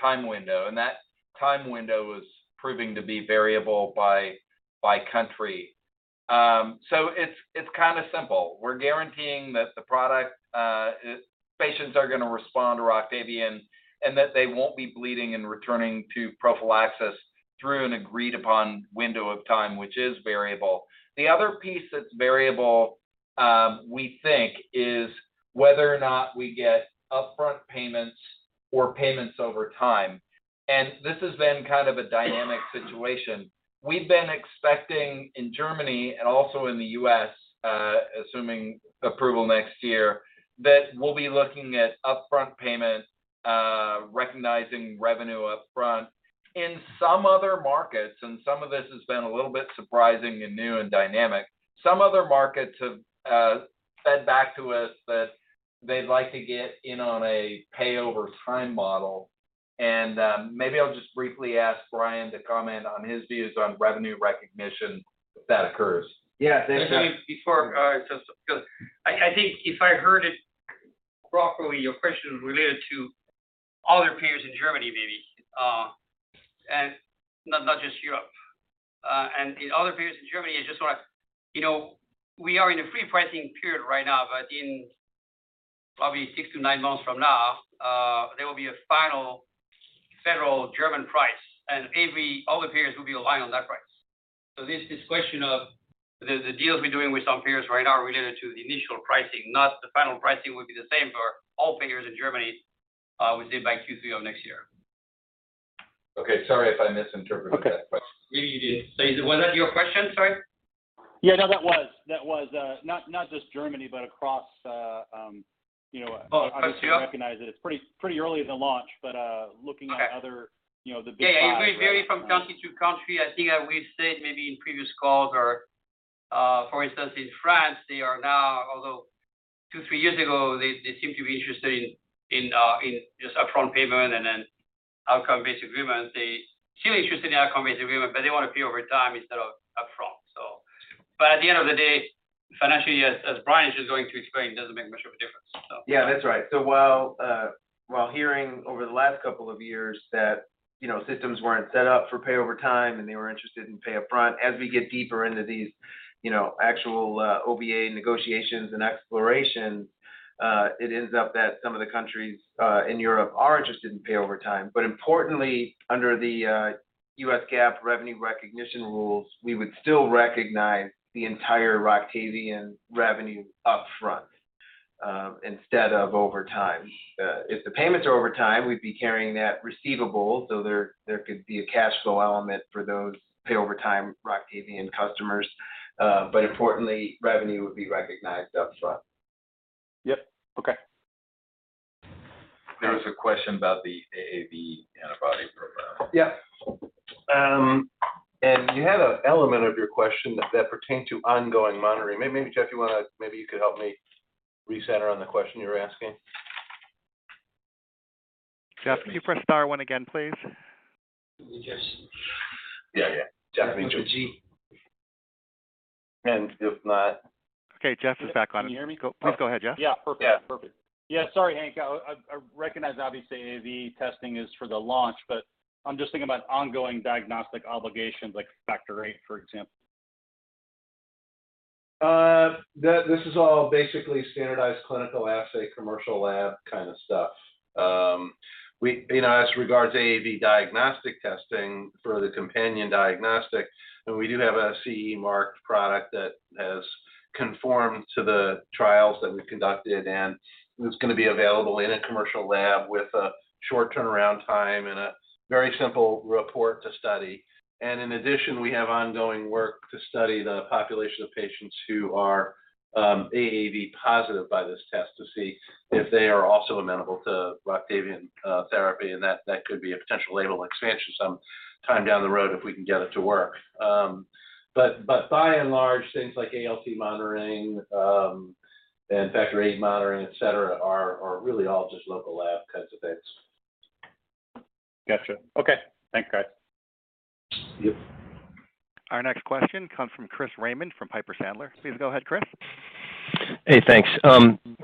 time window, and that time window is proving to be variable by country. It's kinda simple. We're guaranteeing that the product—patients are gonna respond to ROCTAVIAN, and that they won't be bleeding and returning to prophylaxis through an agreed upon window of time, which is variable. The other piece that's variable, we think is whether or not we get upfront payments or payments over time. This has been kind of a dynamic situation. We've been expecting in Germany and also in the U.S., assuming approval next year, that we'll be looking at upfront payment, recognizing revenue up front. In some other markets, and some of this has been a little bit surprising and new and dynamic, some other markets have fed back to us that they'd like to get in on a pay-over-time model and, maybe I'll just briefly ask Brian to comment on his views on revenue recognition if that occurs. Yeah. Thank you. Because I think if I heard it properly, your question was related to all the payers in Germany maybe, and not just Europe. In other payers in Germany, I just wanna. You know, we are in a free pricing period right now, but in probably six to nine months from now, there will be a final federal German price, and all the payers will be relying on that price. So this question of the deals we're doing with some payers right now are related to the initial pricing, not the final pricing will be the same for all payers in Germany, we say by Q3 of next year. Okay. Sorry if I misinterpreted that question. Okay. Maybe you did. Was that your question, sorry? Yeah. No, that was not just Germany, but across you know. Oh, across Europe? How to recognize it. It's pretty early in the launch, but looking at other Okay. You know, the big guys, right? Yeah. It varies from country to country. I think I restated maybe in previous calls, for instance in France they are now—although two, three years ago they seemed to be interested in just upfront payment and then outcome-based agreement. They're still interested in outcome-based agreement, but they wanna pay over time instead of upfront. But at the end of the day, financially, as Brian is just going to explain, it doesn't make much of a difference. Yeah, that's right. While hearing over the last couple of years that, you know, systems weren't set up for pay over time and they were interested in pay upfront, as we get deeper into these, you know, actual OBA negotiations and exploration, it ends up that some of the countries in Europe are interested in pay over time. Importantly, under the U.S. GAAP revenue recognition rules, we would still recognize the entire ROCTAVIAN revenue upfront, instead of over time. If the payments are over time, we'd be carrying that receivable, so there could be a cash flow element for those pay-over-time ROCTAVIAN customers. Importantly, revenue would be recognized upfront. Yep. Okay. There was a question about the AAV antibody program. Yeah. You had an element of your question that pertained to ongoing monitoring. Maybe, Geoff, you could help me recenter on the question you were asking. Geoff, can you press star one again, please? Maybe Geoff. Yeah, yeah. Geoff. With a G. If not. Okay. Geoff is back on. Can you hear me? Please go ahead, Geoff. Yeah. Perfect. Yeah. Perfect. Yeah. Sorry, Hank. I recognize obviously AAV testing is for the launch, but I'm just thinking about ongoing diagnostic obligations like factor VIII, for example. This is all basically standardized clinical assay commercial lab kind of stuff. We, you know, as regards to AAV diagnostic testing for the companion diagnostic, and we do have a CE marked product that has conformed to the trials that we've conducted, and it's gonna be available in a commercial lab with a short turnaround time and a very simple report to study. In addition, we have ongoing work to study the population of patients who are AAV positive by this test to see if they are also amenable to ROCTAVIAN therapy, and that could be a potential label expansion some time down the road if we can get it to work. But by and large, things like ALC monitoring and factor VIII monitoring, et cetera, are really all just local lab kinds of things. Gotcha. Okay. Thanks, guys. Yep. Our next question comes from Chris Raymond from Piper Sandler. Please go ahead, Chris. Hey, thanks. A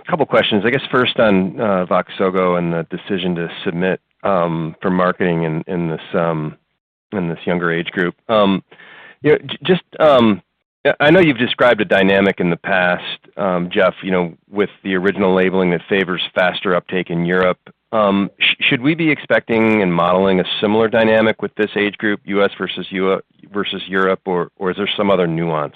couple questions, I guess first on VOXZOGO and the decision to submit for marketing in this younger age group. You know, just, I know you've described a dynamic in the past, Jeff, you know, with the original labeling that favors faster uptake in Europe. Should we be expecting and modeling a similar dynamic with this age group, U.S. versus Europe or is there some other nuance?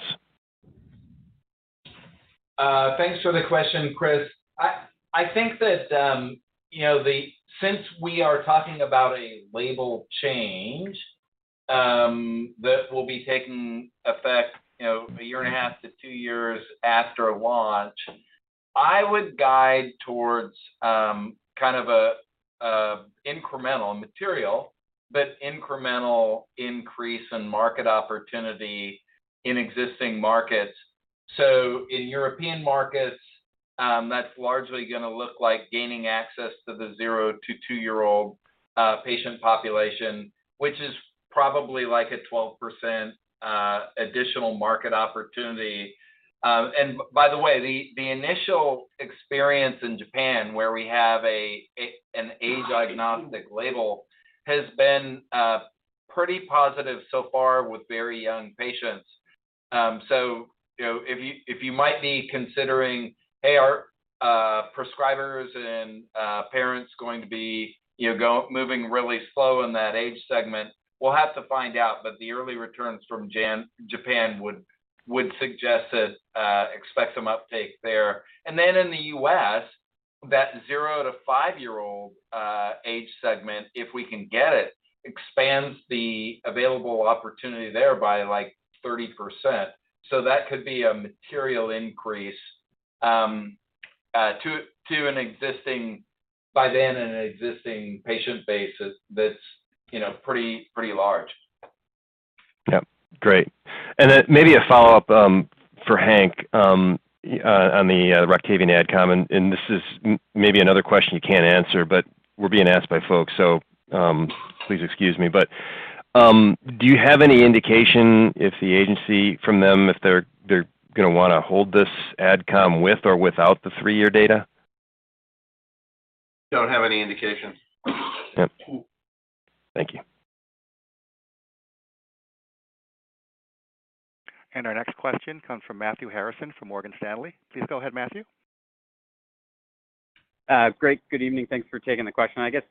Thanks for the question, Chris. I think that, you know, the since we are talking about a label change that will be taking effect, you know, a year and a half to two years after launch, I would guide towards a incremental material, but incremental increase in market opportunity in existing markets. In European markets, that's largely gonna look like gaining access to the zero to two-year-old patient population, which is probably like a 12% additional market opportunity. By the way, the initial experience in Japan where we have an age diagnostic label has been pretty positive so far with very young patients. You know, if you might be considering, "Hey, are prescribers and parents going to be, you know, moving really slow in that age segment?" We'll have to find out, but the early returns from Japan would suggest that we expect some uptake there. In the U.S., that zero to five-year-old age segment, if we can get it, expands the available opportunity there by, like, 30%. That could be a material increase to, by then, an existing patient base that's, you know, pretty large. Yep. Great. Maybe a follow-up for Hank on the ROCTAVIAN AdCom. This is maybe another question you can't answer, but we're being asked by folks, so please excuse me. Do you have any indication if the agency from them if they're gonna wanna hold this AdCom with or without the three-year data? Don't have any indication. Yep. Thank you. Our next question comes from Matthew Harrison from Morgan Stanley. Please go ahead, Matthew. Great. Good evening. Thanks for taking the question. I guess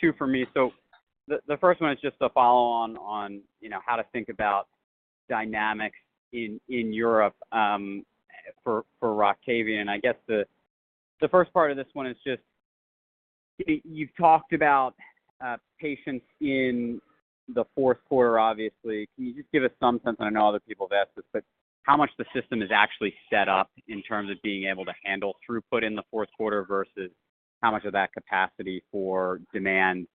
two for me. The first one is just a follow on, you know, how to think about dynamics in Europe for ROCTAVIAN. I guess the first part of this one is just, you've talked about patients in the fourth quarter, obviously. Can you just give us some sense—I know other people have asked this—but how much the system is actually set up in terms of being able to handle throughput in the fourth quarter versus how much of that capacity for demand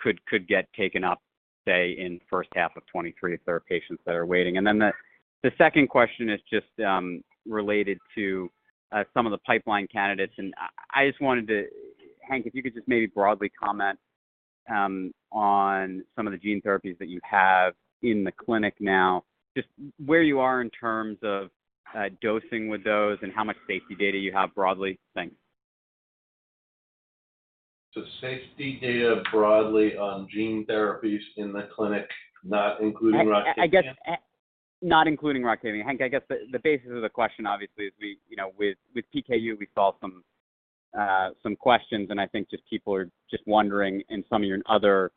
could get taken up, say, in first half of 2023 if there are patients that are waiting? Then the second question is just related to some of the pipeline candidates. I just wanted to—Hank, if you could just maybe broadly comment on some of the gene therapies that you have in the clinic now, just where you are in terms of dosing with those and how much safety data you have broadly. Thanks. Safety data broadly on gene therapies in the clinic, not including ROCTAVIAN? I guess and not including ROCTAVIAN. Hank, I guess the basis of the question obviously is we, you know, with PKU, we saw some questions, and I think just people are just wondering in some of your other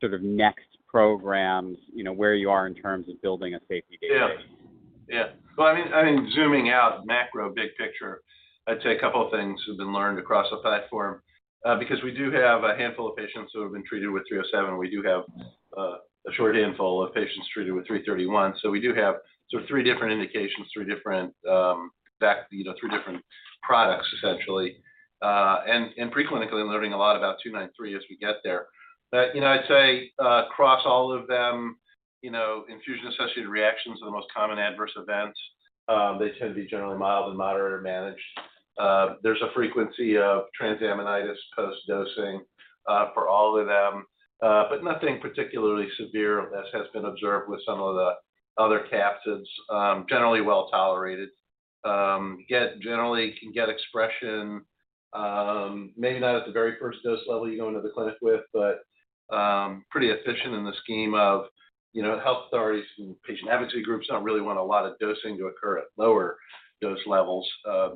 sort of next programs, you know, where you are in terms of building a safety database. Well, zooming out macro big picture, I'd say a couple of things have been learned across the platform. Because we do have a handful of patients who have been treated with 307, we do have a short handful of patients treated with 331. So we do have sort of three different indications, three different products essentially. Preclinically, I'm learning a lot about 293 as we get there. You know, I'd say across all of them, you know, infusion-associated reactions are the most common adverse events. They tend to be generally mild and moderate or managed. There's a frequency of transaminitis post-dosing for all of them, but nothing particularly severe as has been observed with some of the other capsids, generally well-tolerated. Generally can get expression, maybe not at the very first dose level you go into the clinic with, but pretty efficient in the scheme of, you know, health authorities and patient advocacy groups don't really want a lot of dosing to occur at lower dose levels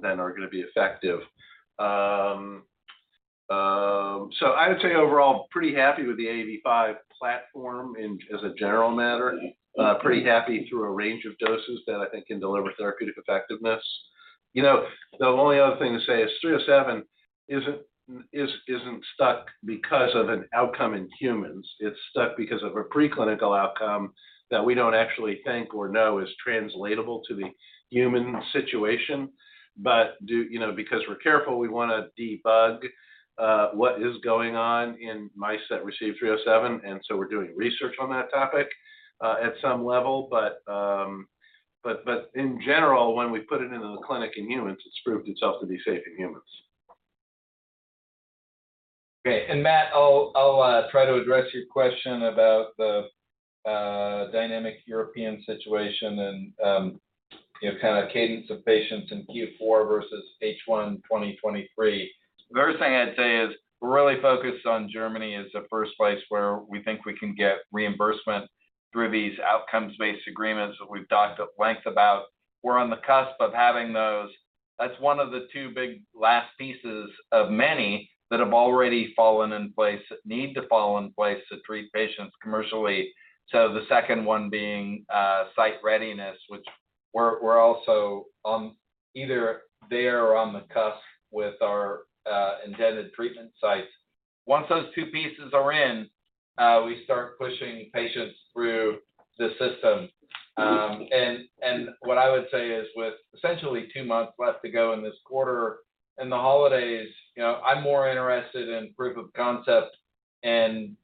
than are gonna be effective. I would say overall, pretty happy with the AAV5 platform as a general matter. Pretty happy through a range of doses that I think can deliver therapeutic effectiveness. You know, the only other thing to say is 307 isn't stuck because of an outcome in humans. It's stuck because of a preclinical outcome that we don't actually think or know is translatable to the human situation. You know, because we're careful, we wanna debug what is going on in mice that receive 307, and so we're doing research on that topic at some level. In general, when we put it into the clinic in humans, it's proved itself to be safe in humans. Okay. Matthew, I'll try to address your question about the dynamic European situation and you know, kinda cadence of patients in Q4 versus H1 2023. The first thing I'd say is we're really focused on Germany as the first place where we think we can get reimbursement through these outcomes-based agreements that we've talked at length about. We're on the cusp of having those. That's one of the two big last pieces of many that have already fallen in place, that need to fall in place to treat patients commercially. The second one being site readiness, which we're also, either there or on the cusp with our intended treatment sites. Once those two pieces are in, we start pushing patients through the system. What I would say is with essentially two months left to go in this quarter and the holidays, you know, I'm more interested in proof of concept and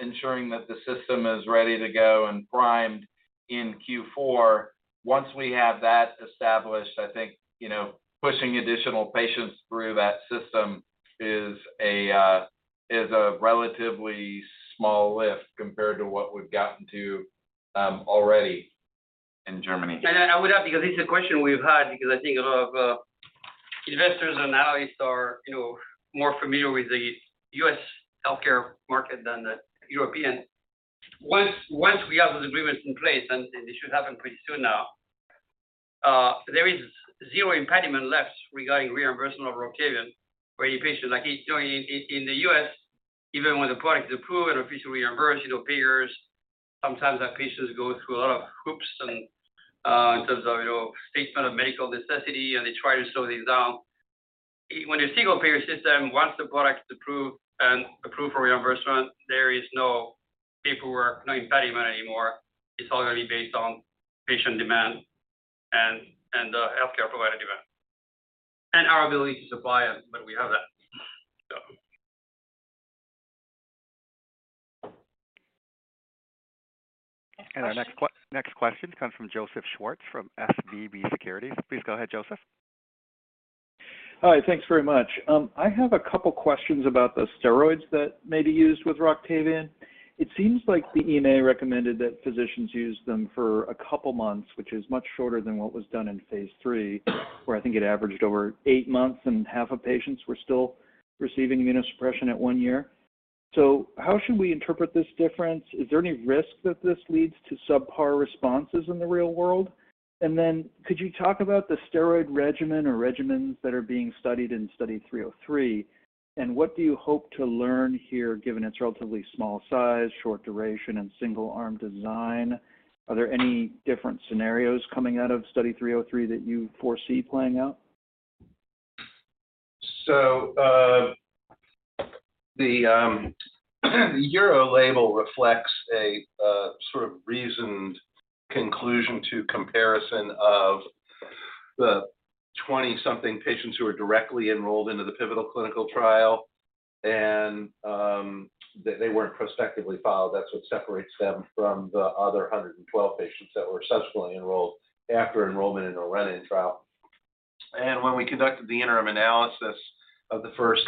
ensuring that the system is ready to go and primed in Q4. Once we have that established, I think, you know, pushing additional patients through that system is a relatively small lift compared to what we've gotten to already in Germany. I would add, because this is a question we've had, because I think a lot of investors and analysts are, you know, more familiar with the U.S. healthcare market than the European. Once we have those agreements in place, and this should happen pretty soon now, there is zero impediment left regarding reimbursement of ROCTAVIAN for any patient. Like, you know, in the U.S., even when the product is approved and officially reimbursed, you know, payers, sometimes our patients go through a lot of hoops and in terms of, you know, statement of medical necessity, and they try to slow things down. When a single-payer system wants the product approved and approved for reimbursement, there is no paperwork, no impediment anymore. It's already based on patient demand and healthcare provider demand. Our ability to supply it, but we have that. Our next question comes from Joseph Schwartz from SVB Securities. Please go ahead, Joseph. Hi. Thanks very much. I have a couple questions about the steroids that may be used with ROCTAVIAN. It seems like the EMA recommended that physicians use them for a couple months, which is much shorter than what was done in phase III, where I think it averaged over eight months, and half of patients were still receiving immunosuppression at one year. How should we interpret this difference? Is there any risk that this leads to subpar responses in the real world? Could you talk about the steroid regimen or regimens that are being studied in Study 303, and what do you hope to learn here, given its relatively small size, short duration, and single arm design? Are there any different scenarios coming out of study 303 that you foresee playing out? The E.U. label reflects a sort of reasoned conclusion to comparison of the 20-something patients who are directly enrolled into the pivotal clinical trial and they weren't prospectively followed. That's what separates them from the other 112 patients that were subsequently enrolled after enrollment in the run-in trial. When we conducted the interim analysis of the first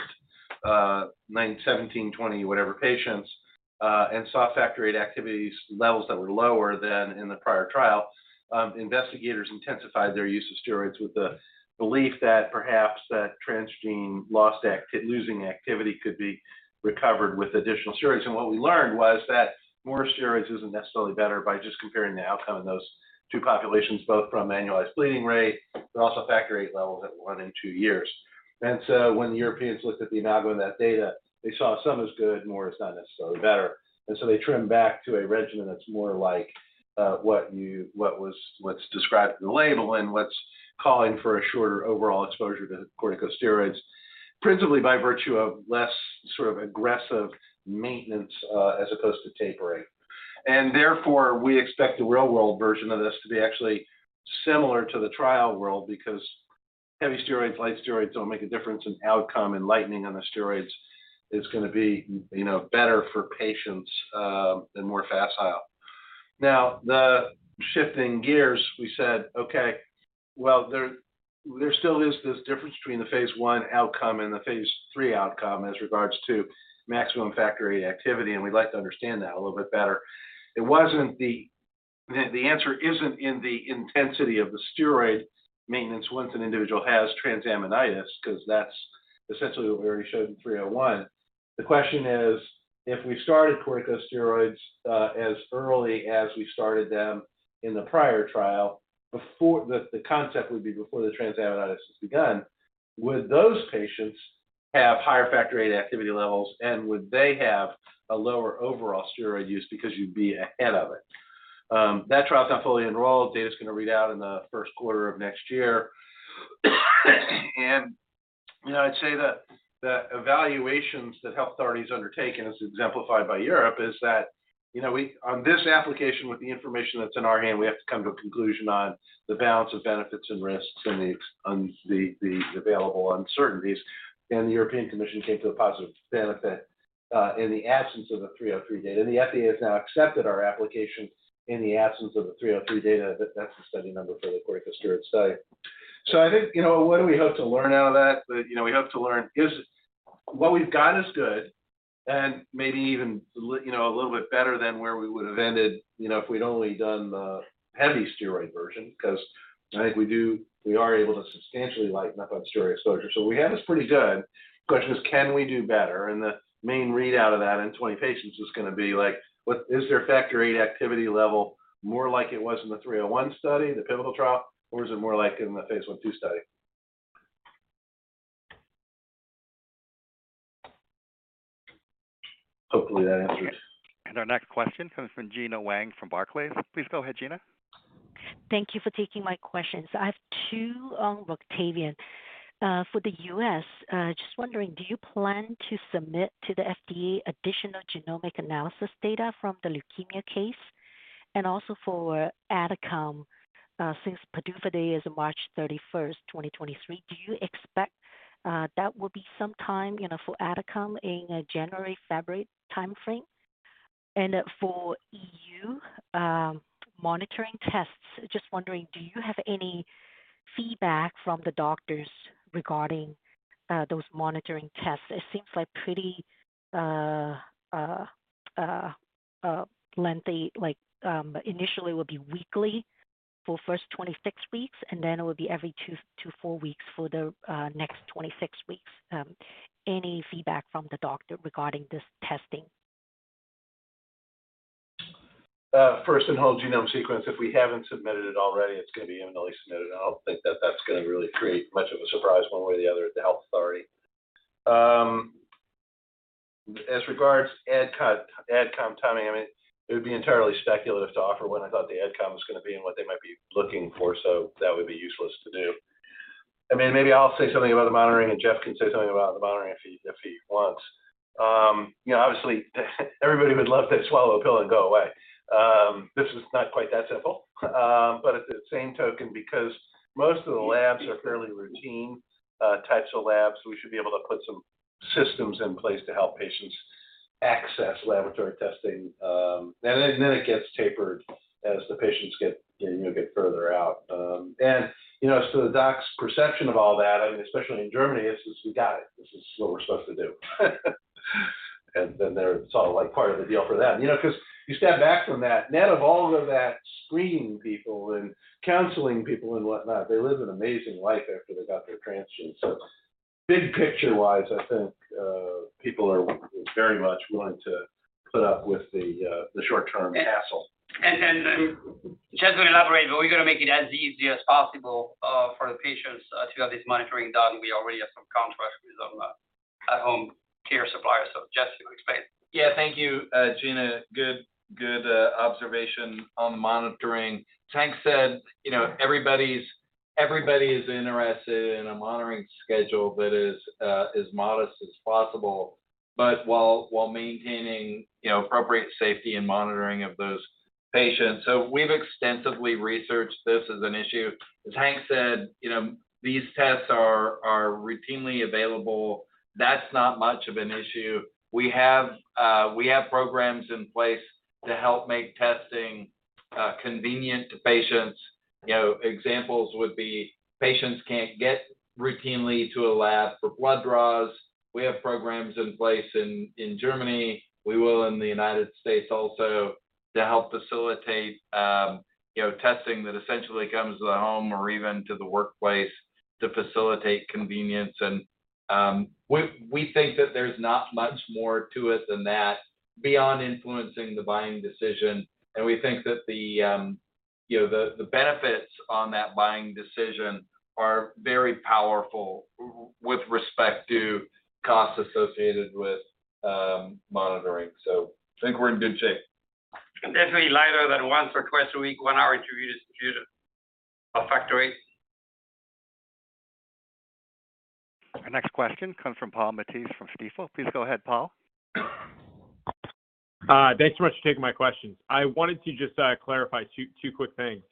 nine, 17, 20 whatever patients and saw factor VIII activity levels that were lower than in the prior trial, investigators intensified their use of steroids with the belief that perhaps that transgene losing activity could be recovered with additional steroids. What we learned was that more steroids isn't necessarily better by just comparing the outcome in those two populations, both from annualized bleeding rate, but also factor VIII levels at one and two years. When Europeans looked at the initial and that data, they saw some is good, more is not necessarily better. They trimmed back to a regimen that's more like what was described in the label and what's called for a shorter overall exposure to corticosteroids, principally by virtue of less sort of aggressive maintenance as opposed to tapering. Therefore, we expect the real-world version of this to be actually similar to the trial world because heavy steroids, light steroids don't make a difference in outcome, and lightening up on the steroids is gonna be, you know, better for patients and more facile. Shifting gears, we said, "Okay, well, there still is this difference between the phase I outcome and the phase III outcome as regards to maximum factor VIII activity, and we'd like to understand that a little bit better." The answer isn't in the intensity of the steroid maintenance once an individual has transaminitis, 'cause that's essentially what we already showed in 301. The question is, if we started corticosteroids as early as we started them in the prior trial, before the concept would be—before the transaminitis has begun, would those patients have higher factor VIII activity levels, and would they have a lower overall steroid use because you'd be ahead of it? That trial is not fully enrolled. Data's gonna read out in the first quarter of next year. You know, I'd say that the evaluations that health authorities undertaken, as exemplified by Europe, is that, you know, on this application, with the information that's in our hand, we have to come to a conclusion on the balance of benefits and risks and the the available uncertainties. The European Commission came to a positive benefit in the absence of the 303 data. The FDA has now accepted our application in the absence of the 303 data. That's the study number for the corticosteroid study. I think, you know, what do we hope to learn out of that? You know, we hope to learn is what we've got is good and maybe even you know, a little bit better than where we would have ended, you know, if we'd only done the heavy steroid version, 'cause I think we are able to substantially lighten up on steroid exposure. So what we have is pretty good. Question is, can we do better? The main readout of that in 20 patients is gonna be, like, what is their factor VIII activity level more like it was in the 301 study, the pivotal trial, or is it more like in the phase I/II study? Hopefully, that answers. Our next question comes from Gena Wang from Barclays. Please go ahead, Gena. Thank you for taking my questions. I have two on ROCTAVIAN. For the U.S., just wondering, do you plan to submit to the FDA additional genomic analysis data from the leukemia case? Also for AdCom, since PDUFA date is March 31st, 2023, do you expect that will be some time, you know, for AdCom in a January-February timeframe? For E.U., monitoring tests, just wondering, do you have any feedback from the doctors regarding those monitoring tests? It seems like pretty lengthy, like, initially it would be weekly for first 26 weeks, and then it would be every two to four weeks for the next 26 weeks. Any feedback from the doctor regarding this testing? First in whole genome sequence, if we haven't submitted it already, it's gonna be immediately submitted, and I don't think that that's gonna really create much of a surprise one way or the other at the health authority. As regards AdCom timing, I mean, it would be entirely speculative to offer when I thought the AdCom was going to be and what they might be looking for, so that would be useless to do. I mean, maybe I'll say something about the monitoring and Jeff can say something about the monitoring if he wants. You know, obviously everybody would love to swallow a pill and go away. This is not quite that simple, but at the same time, because most of the labs are fairly routine types of labs, we should be able to put some systems in place to help patients access laboratory testing. Then it gets tapered as the patients get, you know, get further out. You know, the doc's perception of all that, I mean, especially in Germany, it's just, we got it. This is what we're supposed to do. Then they're sort of like part of the deal for them. You know, because you step back from that, net of all of that screening people and counseling people and whatnot, they live an amazing life after they got their transplant. Big picture wise, I think people are very much willing to put up with the short-term hassle. Jeff's going to elaborate, but we're going to make it as easy as possible for the patients to have this monitoring done. We already have some contracts with some at-home care suppliers. Jeff's going to explain. Yeah. Thank you, Gena. Good observation on the monitoring. Hank said, you know, everybody is interested in a monitoring schedule that is as modest as possible, but while maintaining, you know, appropriate safety and monitoring of those patients. We've extensively researched this as an issue. As Hank said, you know, these tests are routinely available. That's not much of an issue. We have programs in place to help make testing convenient to patients. You know, examples would be patients can't get routinely to a lab for blood draws. We have programs in place in Germany. We will in the United States also to help facilitate, you know, testing that essentially comes to the home or even to the workplace to facilitate convenience. We think that there's not much more to it than that beyond influencing the buying decision. We think that the, you know, the benefits on that buying decision are very powerful with respect to costs associated with monitoring. I think we're in good shape. Definitely lighter than once or twice a week, one hour interviews due to our factory. Our next question comes from Paul Matteis from Stifel. Please go ahead, Paul. Thanks so much for taking my questions. I wanted to just clarify two quick things.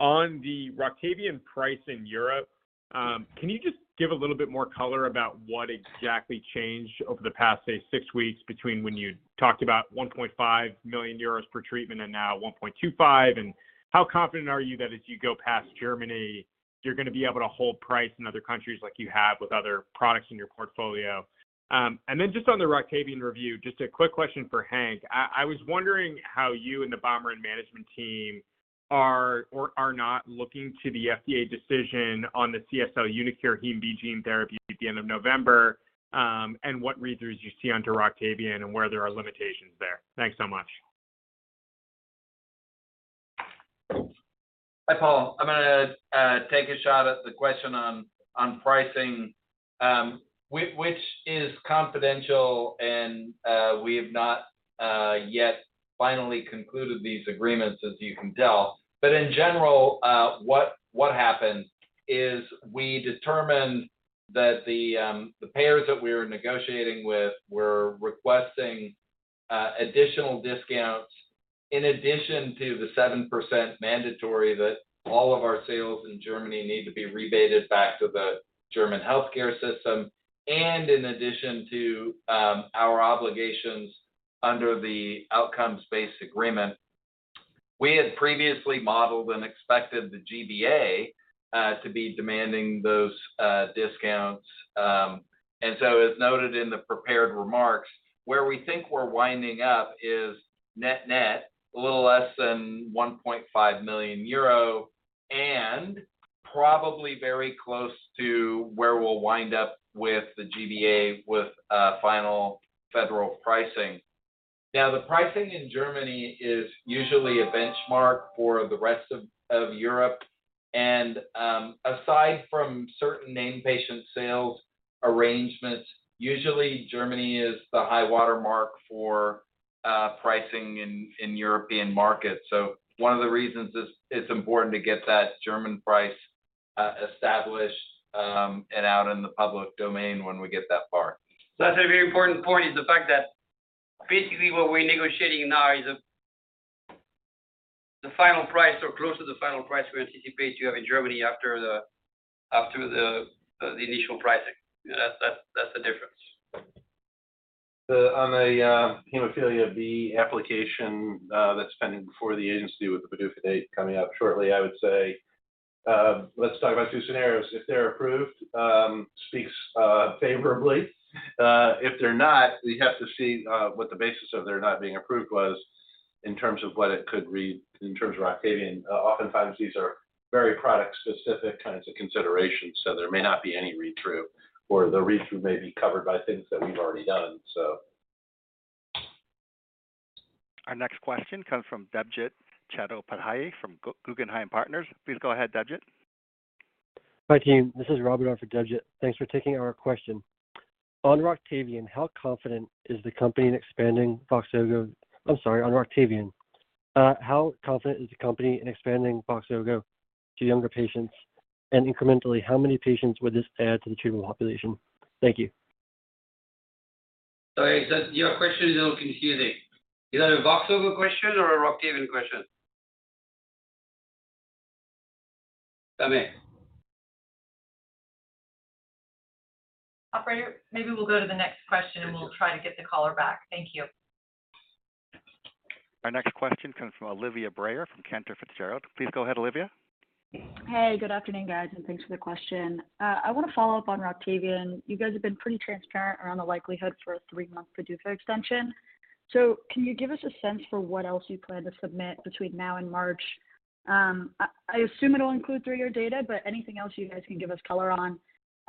On the ROCTAVIAN price in Europe, can you just give a little bit more color about what exactly changed over the past, say, six weeks between when you talked about 1.5 million euros per treatment and now 1.25 million? How confident are you that as you go past Germany, you are going to be able to hold price in other countries like you have with other products in your portfolio? Then just on the ROCTAVIAN review, just a quick question for Hank. I was wondering how you and the BioMarin management team are or are not looking to the FDA decision on the CSL/uniQure hem B gene therapy at the end of November, and what read-throughs you see onto ROCTAVIAN and where there are limitations there. Thanks so much. Hi, Paul. I'm going to take a shot at the question on pricing, which is confidential and we have not yet finally concluded these agreements, as you can tell. In general, what happened is we determined that the payers that we were negotiating with were requesting additional discounts in addition to the 7% mandatory that all of our sales in Germany need to be rebated back to the German healthcare system, and in addition to our obligations under the outcomes-based agreement. We had previously modeled and expected the GBA to be demanding those discounts. As noted in the prepared remarks, where we think we're winding up is net-net, a little less than 1.5 million euro and probably very close to where we'll wind up with the GBA with final federal pricing. Now, the pricing in Germany is usually a benchmark for the rest of Europe. Aside from certain named patient sales arrangements, usually Germany is the high-water mark for pricing in European markets. One of the reasons it's important to get that German price established and out in the public domain when we get that far. That's a very important point is the fact that basically what we're negotiating now is the final price or close to the final price we anticipate to have in Germany after the initial pricing. That's the difference. On the hemophilia B application that's pending before the agency with the PDUFA date coming up shortly, I would say, let's talk about two scenarios. If they're approved, it speaks favorably. If they're not, we have to see what the basis of their not being approved was in terms of what it could read in terms of ROCTAVIAN. Oftentimes these are very product-specific kinds of considerations, so there may not be any read-through, or the read-through may be covered by things that we've already done. Our next question comes from Debjit Chattopadhyay from Guggenheim Partners. Please go ahead, Debjit. Hi, team. This is Robert on for Debjit. Thanks for taking our question. On ROCTAVIAN, how confident is the company in expanding VOXZOGO to younger patients? And incrementally, how many patients would this add to the treatment population? Thank you. Sorry. Your question is a little confusing. Is that a VOXZOGO question or a ROCTAVIAN question? Come in. Operator, maybe we'll go to the next question. Thank you. We'll try to get the caller back. Thank you. Our next question comes from Olivia Brayer from Cantor Fitzgerald. Please go ahead, Olivia. Hey, good afternoon, guys, and thanks for the question. I wanna follow up on ROCTAVIAN. You guys have been pretty transparent around the likelihood for a three-month PDUFA extension. Can you give us a sense for what else you plan to submit between now and March? I assume it'll include three-year data, but anything else you guys can give us color on.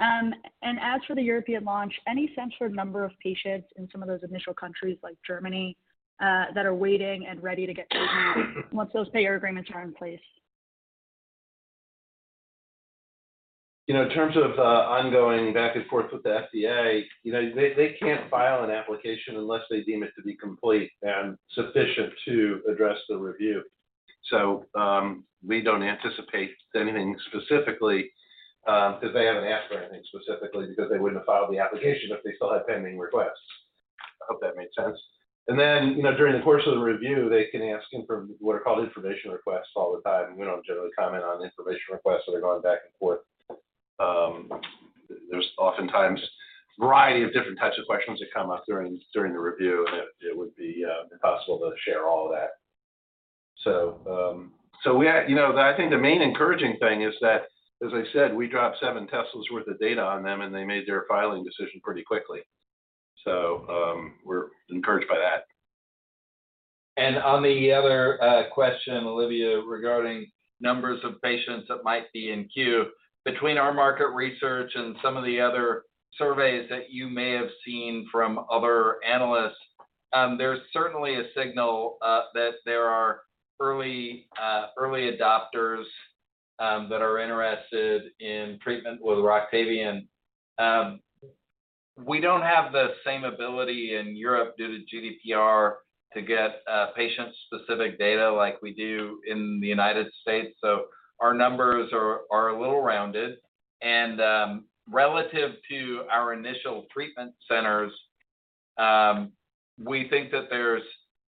As for the European launch, any sense for number of patients in some of those initial countries like Germany that are waiting and ready to get treatment once those payer agreements are in place? You know, in terms of ongoing back and forth with the FDA, you know, they can't file an application unless they deem it to be complete and sufficient to address the review. We don't anticipate anything specifically, 'cause they haven't asked for anything specifically because they wouldn't have filed the application if they still had pending requests. I hope that made sense. You know, during the course of the review, they can ask them for what are called information requests all the time, and we don't generally comment on information requests that are going back and forth. There's oftentimes variety of different types of questions that come up during the review, and it would be impossible to share all of that. You know, I think the main encouraging thing is that, as I said, we dropped seven Tesla’s worth of data on them, and they made their filing decision pretty quickly. We're encouraged by that. On the other question, Olivia, regarding numbers of patients that might be in queue, between our market research and some of the other surveys that you may have seen from other analysts, there's certainly a signal that there are early adopters that are interested in treatment with ROCTAVIAN. We don't have the same ability in Europe due to GDPR to get patient-specific data like we do in the United States, so our numbers are a little rounded. Relative to our initial treatment centers, we think that there's,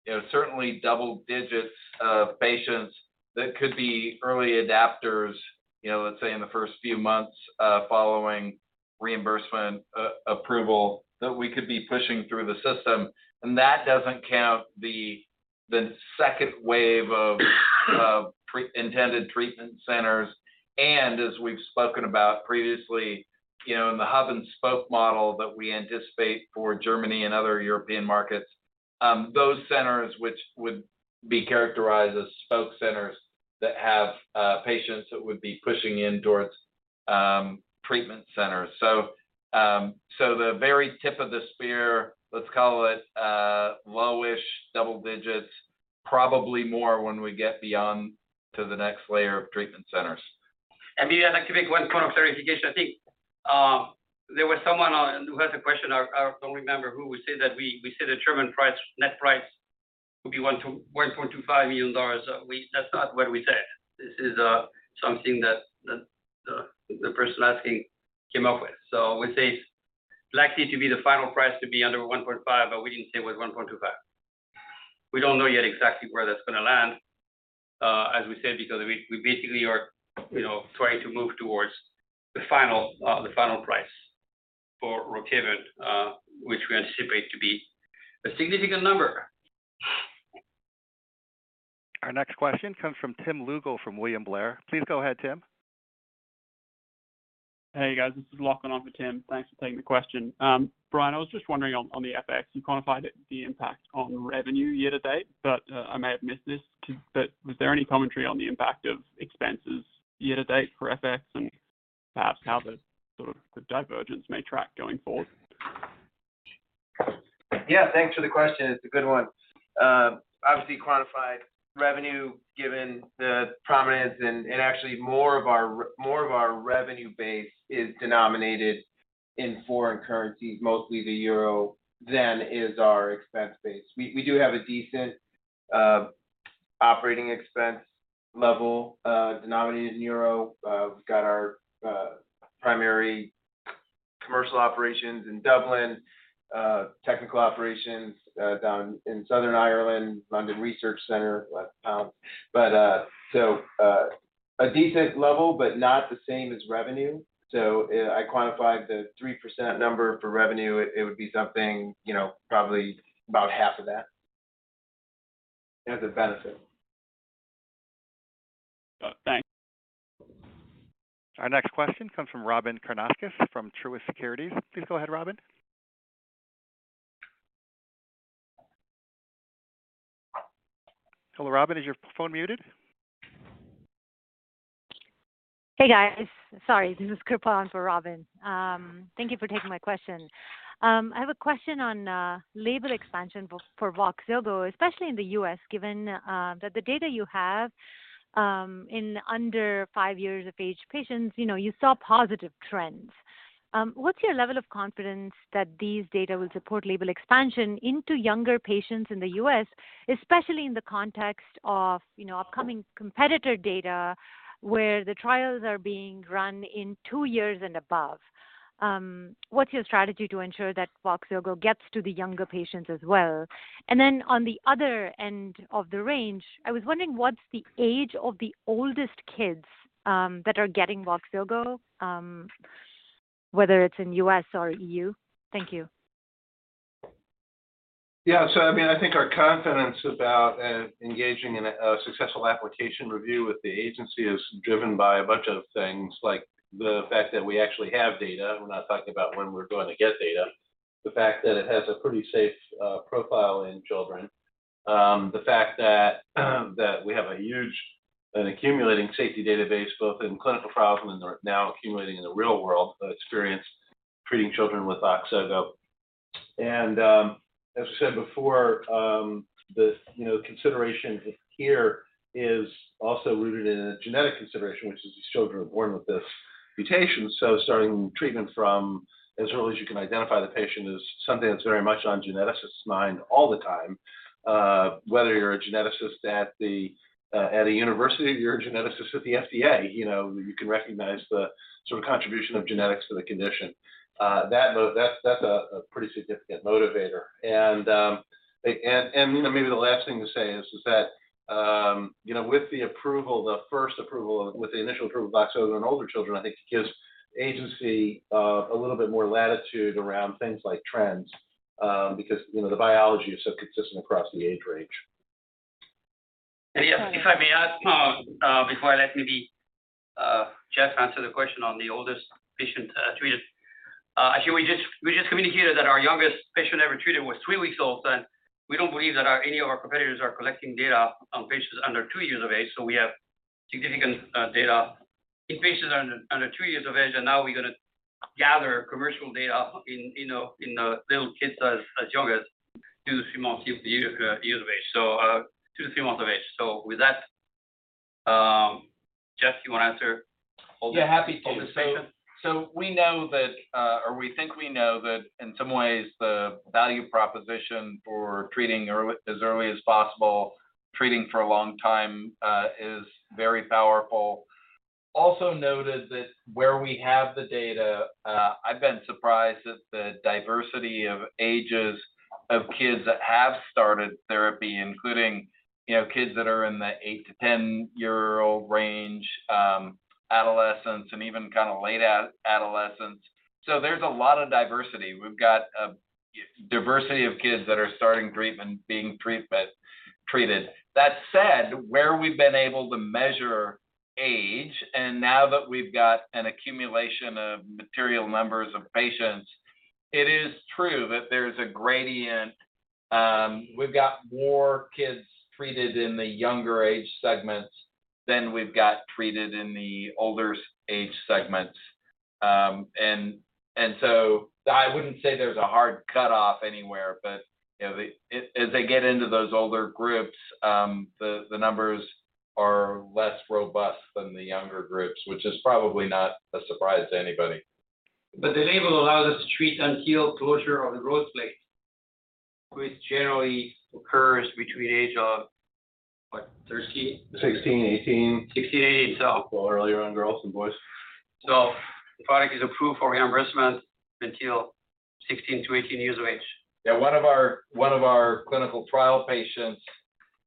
you know, certainly double digits of patients that could be early adopters, you know, let's say in the first few months following reimbursement approval that we could be pushing through the system, and that doesn't count the second wave of intended treatment centers. As we've spoken about previously, you know, in the hub-and-spoke model that we anticipate for Germany and other European markets, those centers which would be characterized as spoke centers that have patients that would be pushing in towards treatment centers. The very tip of the spear, let's call it, low-ish double digits, probably more when we get beyond to the next layer of treatment centers. Maybe I'd like to make one point of clarification. I think, there was someone on who had a question, I don't remember who said that we said the German price, net price would be $1 million-$1.25 million. That's not what we said. This is, something that the person asking came up with. We say likely to be the final price to be under $1.5 million, but we didn't say it was $1.25 million. We don't know yet exactly where that's gonna land, as we said, because we basically are trying to move towards the final price for ROCTAVIAN, which we anticipate to be a significant number. Our next question comes from Tim Lugo from William Blair. Please go ahead, Tim. Hey, guys. This is Lachlan on for Tim. Thanks for taking the question. Brian, I was just wondering on the FX. You quantified the impact on revenue year-to-date, but I may have missed this. Was there any commentary on the impact of expenses year-to-date for FX and perhaps how sort of the divergence may track going forward? Thanks for the question. It's a good one. Obviously quantified revenue given the prominence and actually more of our revenue base is denominated in foreign currencies, mostly the euro, than is our expense base. We do have a decent operating expense level denominated in euro. We've got our primary commercial operations in Dublin, technical operations down in Southern Ireland, London research center, pounds. A decent level, but not the same as revenue. I quantified the 3% number for revenue. It would be something, you know, probably about half of that as a benefit. Thanks. Our next question comes from Robyn Karnauskas from Truist Securities. Please go ahead, Robyn. Hello, Robyn, is your phone muted? Hey, guys. Sorry, this is Kripa for Robyn Karnauskas. Thank you for taking my question. I have a question on label expansion for VOXZOGO, especially in the U.S., given that the data you have in under five years of age patients, you know, you saw positive trends. What's your level of confidence that these data will support label expansion into younger patients in the U.S., especially in the context of, you know, upcoming competitor data where the trials are being run in two years and above? What's your strategy to ensure that VOXZOGO gets to the younger patients as well? And then on the other end of the range, I was wondering what's the age of the oldest kids that are getting VOXZOGO, whether it's in U.S. or EU. Thank you. Yeah. I mean, I think our confidence about engaging in a successful application review with the agency is driven by a bunch of things like the fact that we actually have data. We're not talking about when we're going to get data. The fact that it has a pretty safe profile in children. The fact that we have a huge and accumulating safety database both in clinical trials and are now accumulating in the real world experience treating children with VOXZOGO. As I said before, you know, the consideration here is also rooted in a genetic consideration, which is these children are born with this mutation, so starting treatment from as early as you can identify the patient is something that's very much on geneticists' mind all the time. Whether you're a geneticist at a university or you're a geneticist at the FDA, you know, you can recognize the sort of contribution of genetics to the condition. That's a pretty significant motivator. You know, maybe the last thing to say is that, you know, with the initial approval of VOXZOGO in older children, I think gives agency a little bit more latitude around things like trends, because, you know, the biology is so consistent across the age range. Yeah, if I may add, before I let maybe Jeff answer the question on the oldest patient treated. Actually, we just communicated that our youngest patient ever treated was three weeks old, and we don't believe that our any of our competitors are collecting data on patients under two years of age, so we have significant data in patients under two years of age. Now, we're gonna gather commercial data in, you know, in little kids as young as two to three months, years of age. So two to three months of age. With that, Jeff, you wanna answer oldest Yeah, happy to. Oldest patient. We know that, or we think we know that in some ways the value proposition for treating early, as early as possible, treating for a long time, is very powerful. Also noted that where we have the data, I've been surprised at the diversity of ages of kids that have started therapy, including, you know, kids that are in the eight to 10-year-old range, adolescents and even kind of late adolescents. There's a lot of diversity. We've got a diversity of kids that are starting treatment, being treated. That said, where we've been able to measure age, and now that we've got an accumulation of material numbers of patients, it is true that there's a gradient. We've got more kids treated in the younger age segments than we've got treated in the older age segments. I wouldn't say there's a hard cutoff anywhere. You know, as they get into those older groups, the numbers are less robust than the younger groups, which is probably not a surprise to anybody. The label allows us to treat until closure of the growth plate, which generally occurs between age of, what? 13. 16, 18. 16, 18. Well, earlier on girls than boys. The product is approved for reimbursement until 16-18 years of age. Yeah, one of our clinical trial patients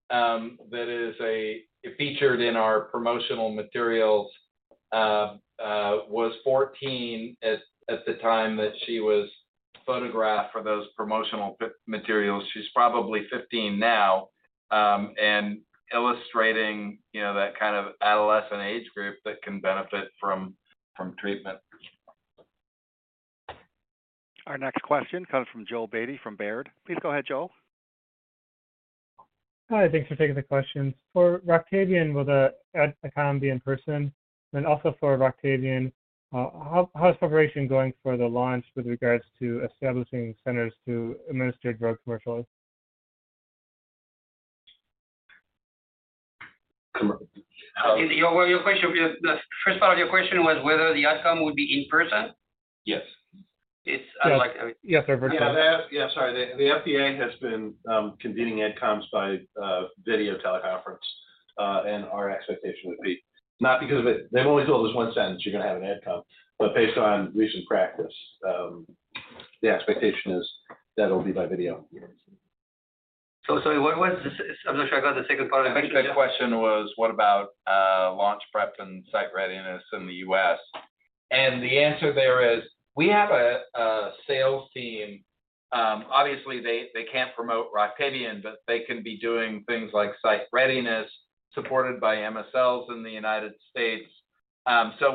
that is featured in our promotional materials was 14 at the time that she was photographed for those promotional materials. She's probably 15 now. Illustrating, you know, that kind of adolescent age group that can benefit from treatment. Our next question comes from Joel Beatty from Baird. Please go ahead, Joel. Hi, thanks for taking the questions. For ROCTAVIAN, will the AdCom be in person? For ROCTAVIAN, how is preparation going for the launch with regards to establishing centers to administer drug commercially? Commercially. Is your question, the first part of your question was whether the AdCom would be in person? Yes. It's unlikely. Yes, or virtual. Yeah. Sorry. The FDA has been convening AdComs by video teleconference. Our expectation would be. Not because of it. They've only told us one sentence, "You're gonna have an AdCom." Based on recent practice, the expectation is that it'll be by video. Sorry. I'm not sure I got the second part of the question. I think the question was what about launch prep and site readiness in the U.S.? The answer there is we have a sales team. Obviously they can't promote ROCTAVIAN, but they can be doing things like site readiness supported by MSLs in the United States.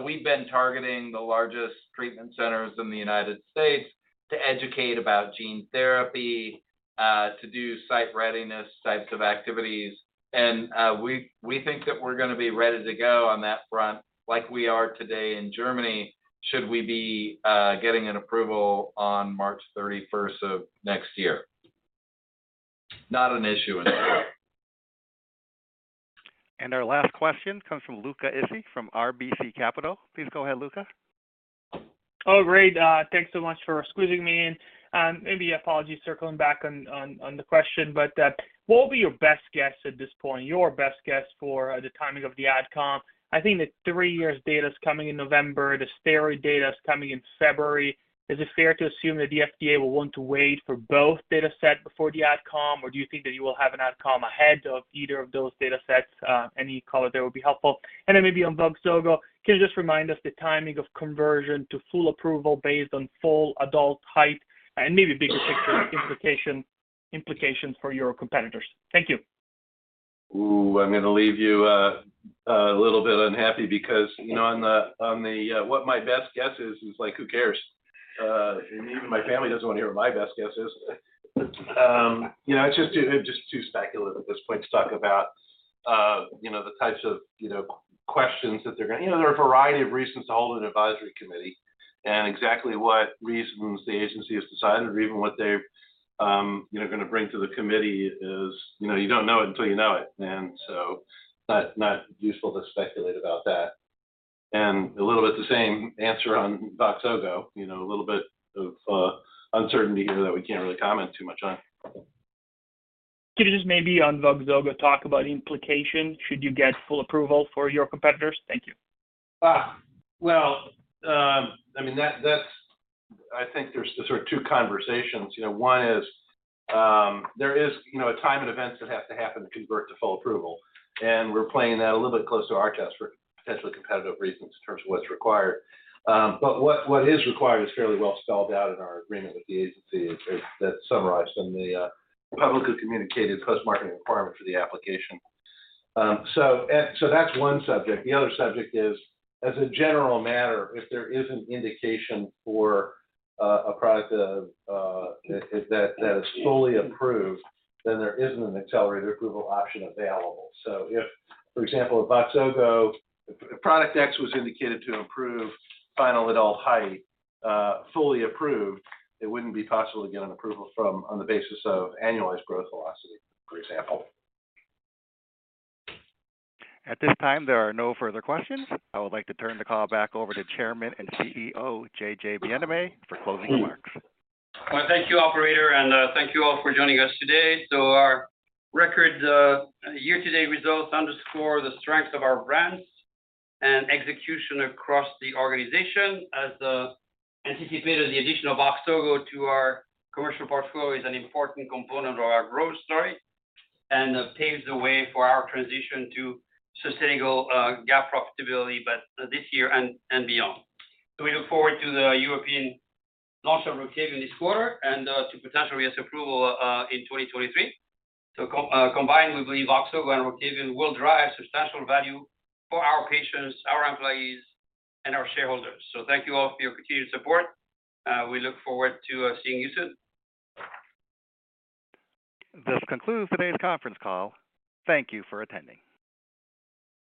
We've been targeting the largest treatment centers in the United States to educate about gene therapy. To do site readiness types of activities. We think that we're gonna be ready to go on that front like we are today in Germany should we be getting an approval on March 31st of next year. Not an issue anymore. Our last question comes from Luca Issi from RBC Capital. Please go ahead, Luca. Oh, great. Thanks so much for squeezing me in. Maybe apologies circling back on the question, but what would be your best guess at this point for the timing of the AdCom? I think the three-year data's coming in November, the steroid data is coming in February. Is it fair to assume that the FDA will want to wait for both data set before the AdCom, or do you think that you will have an AdCom ahead of either of those data sets? Any color there would be helpful. Then maybe on VOXZOGO, can you just remind us the timing of conversion to full approval based on full adult height and maybe bigger picture implications for your competitors? Thank you. Ooh, I'm gonna leave you a little bit unhappy because, you know, on the what my best guess is like who cares? Even my family doesn't wanna hear what my best guess is. You know, it's just too speculative at this point to talk about, you know, the types of, you know, questions that they're gonna. You know, there are a variety of reasons to hold an advisory committee, and exactly what reasons the agency has decided or even what they're, you know, gonna bring to the committee is, you know, you don't know it until you know it. Not useful to speculate about that. A little bit the same answer on VOXZOGO. You know, a little bit of uncertainty here that we can't really comment too much on. Could you just maybe on VOXZOGO talk about implications should you get full approval for your competitors? Thank you. Well, I mean, I think there's sort of two conversations. You know, one is, you know, a time and events that have to happen to convert to full approval, and we're playing that a little bit close to our chest for potentially competitive reasons in terms of what's required. What is required is fairly well spelled out in our agreement with the agency as summarized in the publicly communicated post-marketing requirement for the application. That's one subject. The other subject is, as a general matter, if there is an indication for a product that is fully approved, then there isn't an accelerated approval option available. If, for example, VOXZOGO, product X was indicated to improve final adult height, fully approved, it wouldn't be possible to get an approval on the basis of annualized growth velocity, for example. At this time, there are no further questions. I would like to turn the call back over to Chairman and CEO, Jean-Jacques Bienaimé, for closing remarks. Well, thank you, operator, and thank you all for joining us today. Our record year-to-date results underscore the strength of our brands and execution across the organization. As anticipated, the addition of VOXZOGO to our commercial portfolio is an important component of our growth story and paves the way for our transition to sustainable GAAP profitability, but this year and beyond. We look forward to the European launch of ROCTAVIAN this quarter and to potential U.S. approval in 2023. Combined, we believe VOXZOGO and ROCTAVIAN will drive substantial value for our patients, our employees, and our shareholders. Thank you all for your continued support. We look forward to seeing you soon. This concludes today's conference call. Thank you for attending.